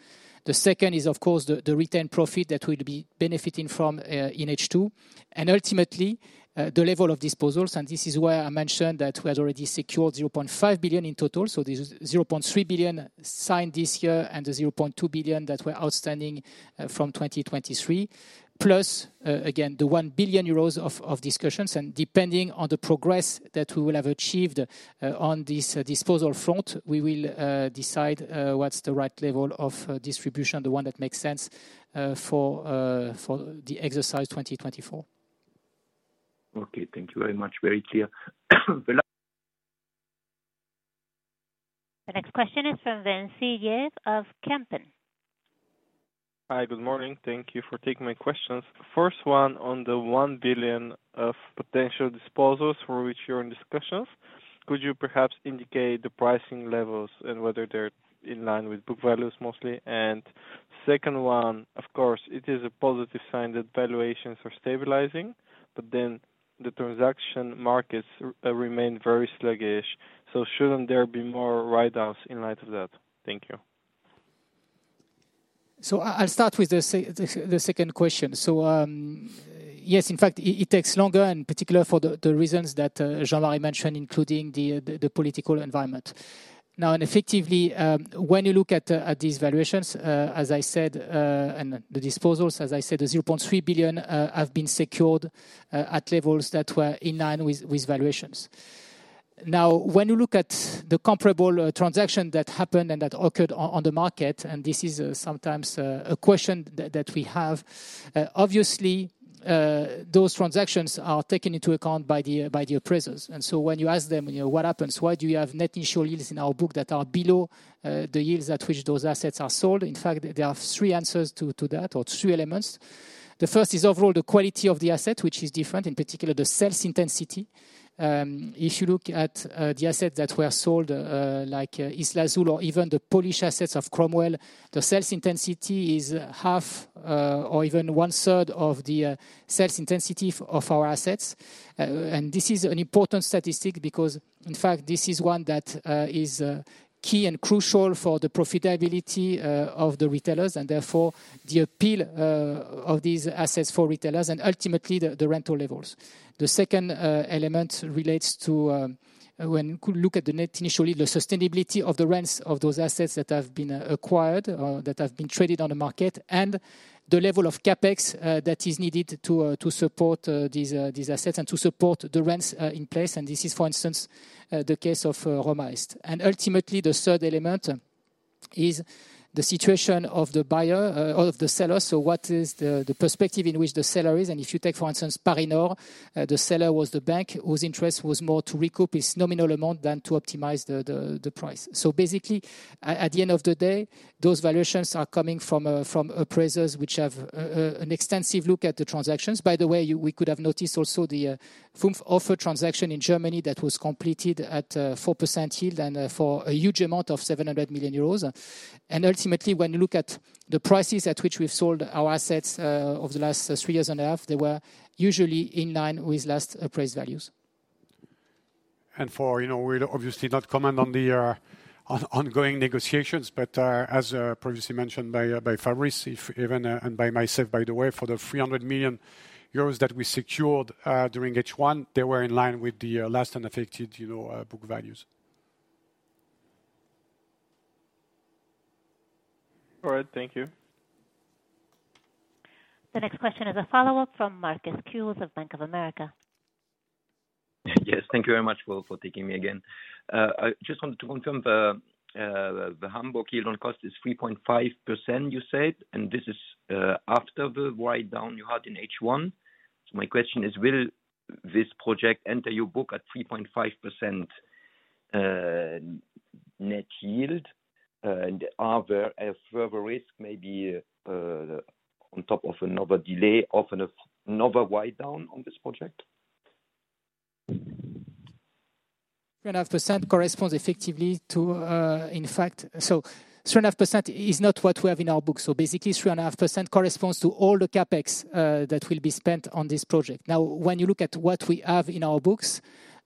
The second is, of course, the retained profit that we'll be benefiting from in H2. And ultimately, the level of disposals, and this is where I mentioned that we had already secured 0.5 billion in total. So, there's 0.3 billion signed this year and the 0.2 billion that were outstanding from 2023, plus, again, the 1 billion euros of discussions. And depending on the progress that we will have achieved on this disposal front, we will decide what's the right level of distribution, the one that makes sense for the exercise 2024. Okay, thank you very much. Very clear. The next question is from [Vinci Yev] of Kempen. Hi, good morning. Thank you for taking my questions. First one on the 1 billion of potential disposals for which you're in discussions. Could you perhaps indicate the pricing levels and whether they're in line with book values mostly? And second one, of course, it is a positive sign that valuations are stabilizing, but then the transaction markets remain very sluggish. So, shouldn't there be more write-ups in light of that? Thank you. So, I'll start with the second question. So, yes, in fact, it takes longer, in particular for the reasons that Jean-Marie mentioned, including the political environment. Now, effectively, when you look at these valuations, as I said, and the disposals, as I said, the 0.3 billion have been secured at levels that were in line with valuations. Now, when you look at the comparable transaction that happened and that occurred on the market, and this is sometimes a question that we have, obviously, those transactions are taken into account by the appraisers. And so, when you ask them what happens, why do you have net initial yields in our book that are below the yields at which those assets are sold? In fact, there are three answers to that, or three elements. The first is overall the quality of the asset, which is different, in particular the sales intensity. If you look at the assets that were sold, like Islazul or even the Polish assets of Cromwell, the sales intensity is half or even one third of the sales intensity of our assets. And this is an important statistic because, in fact, this is one that is key and crucial for the profitability of the retailers, and therefore the appeal of these assets for retailers, and ultimately the rental levels. The second element relates to, when you look at the net initial yield, the sustainability of the rents of those assets that have been acquired or that have been traded on the market, and the level of CapEx that is needed to support these assets and to support the rents in place. And this is, for instance, the case of Roma Est. And ultimately, the third element is the situation of the buyer, of the seller. So, what is the perspective in which the seller is? And if you take, for instance, Parinor, the seller was the bank whose interest was more to recoup its nominal amount than to optimize the price. So, basically, at the end of the day, those valuations are coming from appraisers which have an extensive look at the transactions. By the way, we could have noticed also the Fünf Höfe transaction in Germany that was completed at 4% yield and for a huge amount of 700 million euros. And ultimately, when you look at the prices at which we've sold our assets over the last three years and a half, they were usually in line with last appraised values. And we're obviously not commenting on the ongoing negotiations, but as previously mentioned by Fabrice, even and by myself, by the way, for the 300 million euros that we secured during H1, they were in line with the last unaffected book values. All right, thank you. The next question is a follow-up from Marcus Kules of Bank of America. Yes, thank you very much for taking me again. I just wanted to confirm the Hamburg yield on cost is 3.5%, you said, and this is after the write-down you had in H1. So, my question is, will this project enter your book at 3.5% net yield? Are there further risks, maybe on top of another delay, of another write-down on this project? 3.5% corresponds effectively to, in fact, so 3.5% is not what we have in our book. So, basically, 3.5% corresponds to all the CapEx that will be spent on this project. Now, when you look at what we have in our books,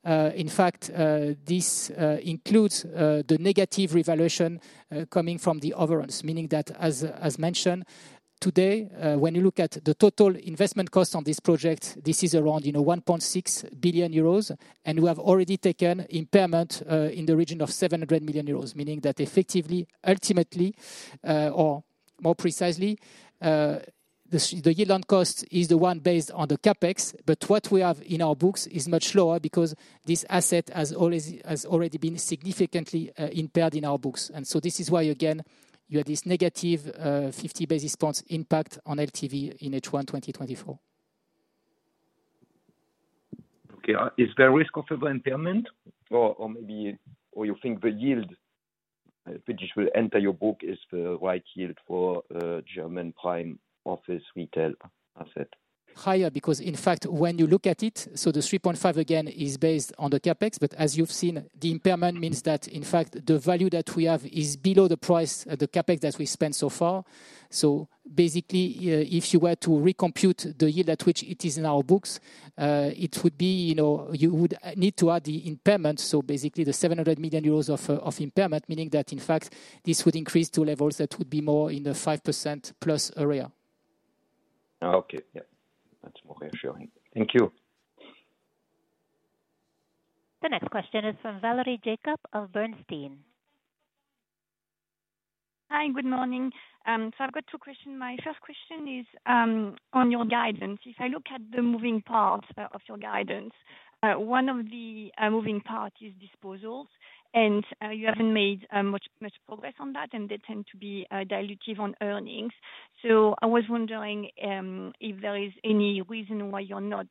in fact, this includes the negative revaluation coming from the overruns, meaning that, as mentioned today, when you look at the total investment cost on this project, this is around 1.6 billion euros, and we have already taken impairment in the region of 700 million euros, meaning that effectively, ultimately, or more precisely, the yield on cost is the one based on the CapEx, but what we have in our books is much lower because this asset has already been significantly impaired in our books. And so, this is why, again, you had this negative 50 basis points impact on LTV in H1 2024. Okay, is there risk of over-impairment, or maybe you think the yield which will enter your book is the right yield for German prime office retail asset? Higher, because in fact, when you look at it, so the 3.5 again is based on the CapEx, but as you've seen, the impairment means that in fact, the value that we have is below the price, the CapEx that we spent so far. So, basically, if you were to recompute the yield at which it is in our books, it would be you would need to add the impairment, so basically the 700 million euros of impairment, meaning that in fact, this would increase to levels that would be more in the 5%+ area. Okay, yeah, that's more reassuring. Thank you. The next question is from Valerie Jacob of Bernstein. Hi, good morning. So, I've got two questions. My first question is on your guidance. If I look at the moving parts of your guidance, one of the moving parts is disposals, and you haven't made much progress on that, and they tend to be dilutive on earnings. So, I was wondering if there is any reason why you're not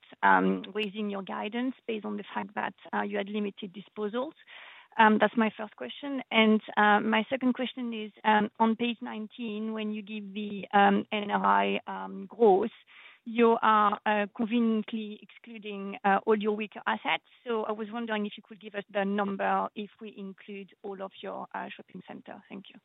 raising your guidance based on the fact that you had limited disposals. That's my first question. And my second question is, on page 19, when you give the NRI growth, you are conveniently excluding all your weaker assets. So, I was wondering if you could give us the number if we include all of your shopping centers. Thank you.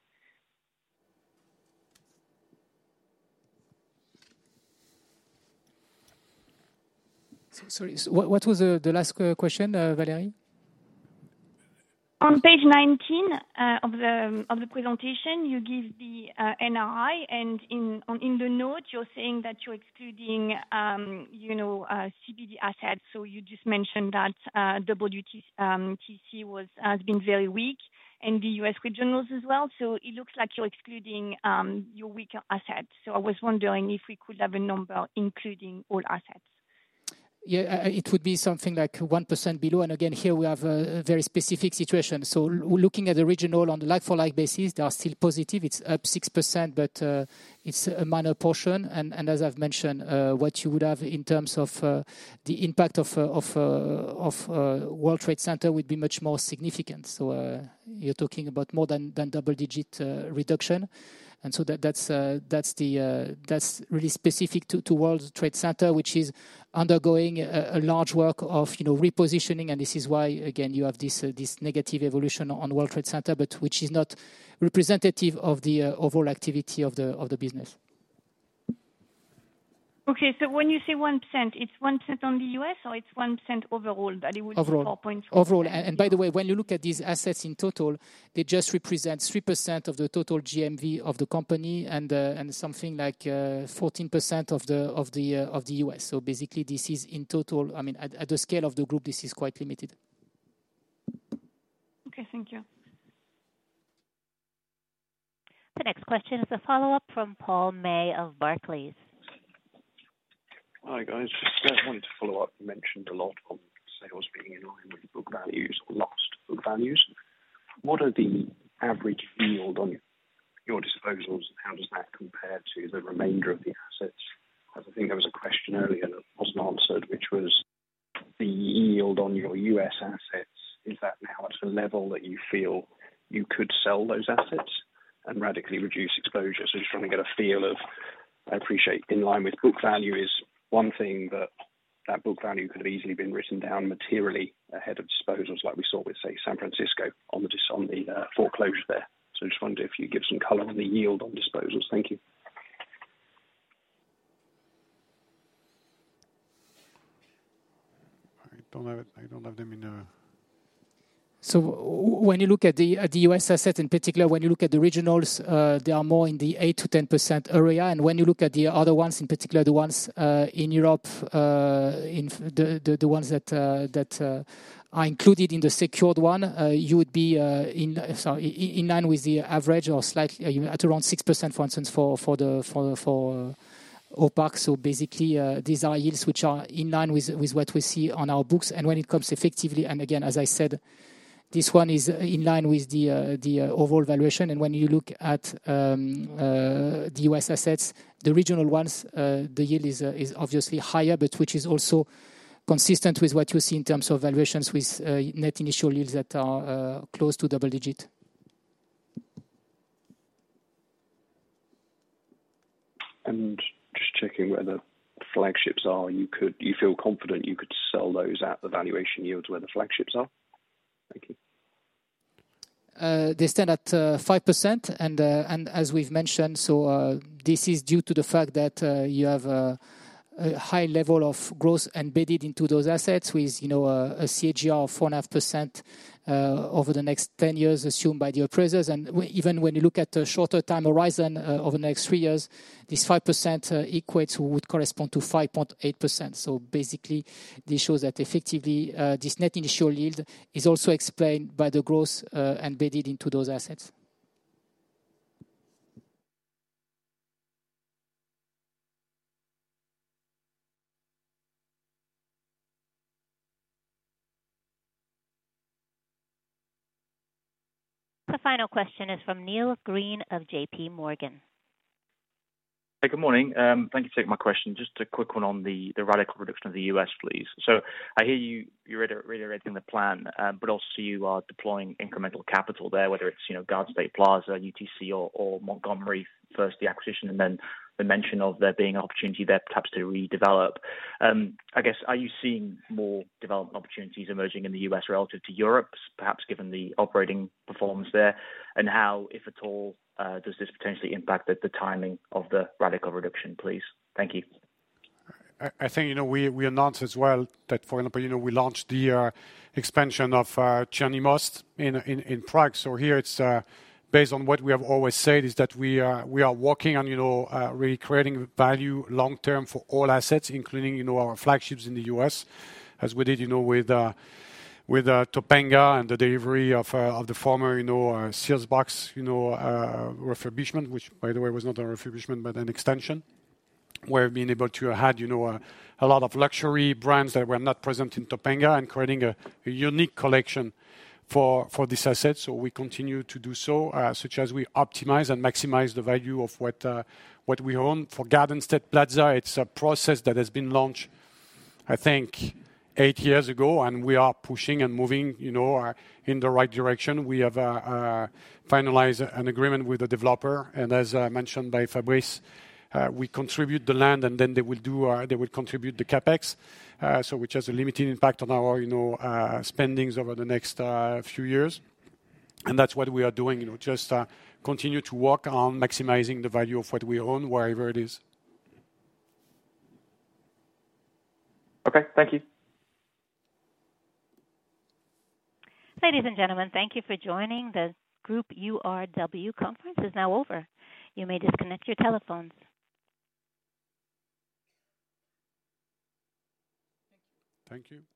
Sorry, what was the last question, Valerie? On page 19 of the presentation, you give the NRI, and in the note, you're saying that you're excluding CBD assets. So, you just mentioned that WTC has been very weak and the US regionals as well. So, it looks like you're excluding your weaker assets. So, I was wondering if we could have a number including all assets. Yeah, it would be something like 1% below. And again, here we have a very specific situation. So, looking at the regional on the like-for-like basis, they are still positive. It's up 6%, but it's a minor portion. And as I've mentioned, what you would have in terms of the impact of World Trade Center would be much more significant. So, you're talking about more than double-digit reduction. And so, that's really specific to World Trade Center, which is undergoing a large work of repositioning. And this is why, again, you have this negative evolution on World Trade Center, but which is not representative of the overall activity of the business. Okay, so when you say 1%, it's 1% on the U.S. or it's 1% overall that it would be 4.4%? Overall. And by the way, when you look at these assets in total, they just represent 3% of the total GMV of the company and something like 14% of the U.S. So, basically, this is in total, I mean, at the scale of the group, this is quite limited. Okay, thank you. The next question is a follow-up from Paul May of Barclays. Hi guys. Just wanted to follow up. You mentioned a lot of sales being in line with book values or at book values. What are the average yield on your disposals? How does that compare to the remainder of the assets? I think there was a question earlier that wasn't answered, which was the yield on your U.S. assets. Is that now at a level that you feel you could sell those assets and radically reduce exposure? So, just trying to get a feel of, I appreciate, in line with book value is one thing, but that book value could have easily been written down materially ahead of disposals like we saw with, say, San Francisco on the foreclosure there. So, I just wondered if you could give some color on the yield on disposals. Thank you. I don't have them in. So, when you look at the U.S. assets in particular, when you look at the regionals, they are more in the 8%-10% area. And when you look at the other ones, in particular the ones in Europe, the ones that are included in the secured one, you would be in line with the average or slightly at around 6%, for instance, for OPAC. So, basically, these are yields which are in line with what we see on our books. And when it comes effectively, and again, as I said, this one is in line with the overall valuation. And when you look at the US assets, the regional ones, the yield is obviously higher, but which is also consistent with what you see in terms of valuations with net initial yields that are close to double-digit. And just checking where the flagships are, you feel confident you could sell those at the valuation yields where the flagships are? Thank you. They stand at 5%. And as we've mentioned, so this is due to the fact that you have a high level of growth embedded into those assets with a CAGR of 4.5% over the next 10 years assumed by the appraisers. Even when you look at a shorter time horizon over the next three years, this 5% equates would correspond to 5.8%. So, basically, this shows that effectively this net initial yield is also explained by the growth embedded into those assets. The final question is from Neil Green of JP Morgan. Hi, good morning. Thank you for taking my question. Just a quick one on the rational reduction of the U.S., please. So, I hear you reiterating the plan, but also you are deploying incremental capital there, whether it's Garden State Plaza, UTC, or Montgomery first, the acquisition, and then the mention of there being an opportunity there perhaps to redevelop. I guess, are you seeing more development opportunities emerging in the U.S. relative to Europe, perhaps given the operating performance there? And how, if at all, does this potentially impact the timing of the rational reduction, please? Thank you. I think we announced as well that, for example, we launched the expansion of Černý Mostin Prague. So, here, it's based on what we have always said, is that we are working on really creating value long-term for all assets, including our flagships in the U.S., as we did with Topanga and the delivery of the former Sears Box refurbishment, which, by the way, was not a refurbishment but an extension, where we've been able to add a lot of luxury brands that were not present in Topanga and creating a unique collection for this asset. So, we continue to do so, such as we optimize and maximize the value of what we own. For Garden State Plaza, it's a process that has been launched, I think, eight years ago, and we are pushing and moving in the right direction. We have finalized an agreement with the developer, and as mentioned by Fabrice, we contribute the land, and then they will contribute the CapEx, which has a limited impact on our spendings over the next few years. That's what we are doing, just continue to work on maximizing the value of what we own, wherever it is. Okay, thank you. Ladies and gentlemen, thank you for joining. The Group URW conference is now over. You may disconnect your telephones. Thank you.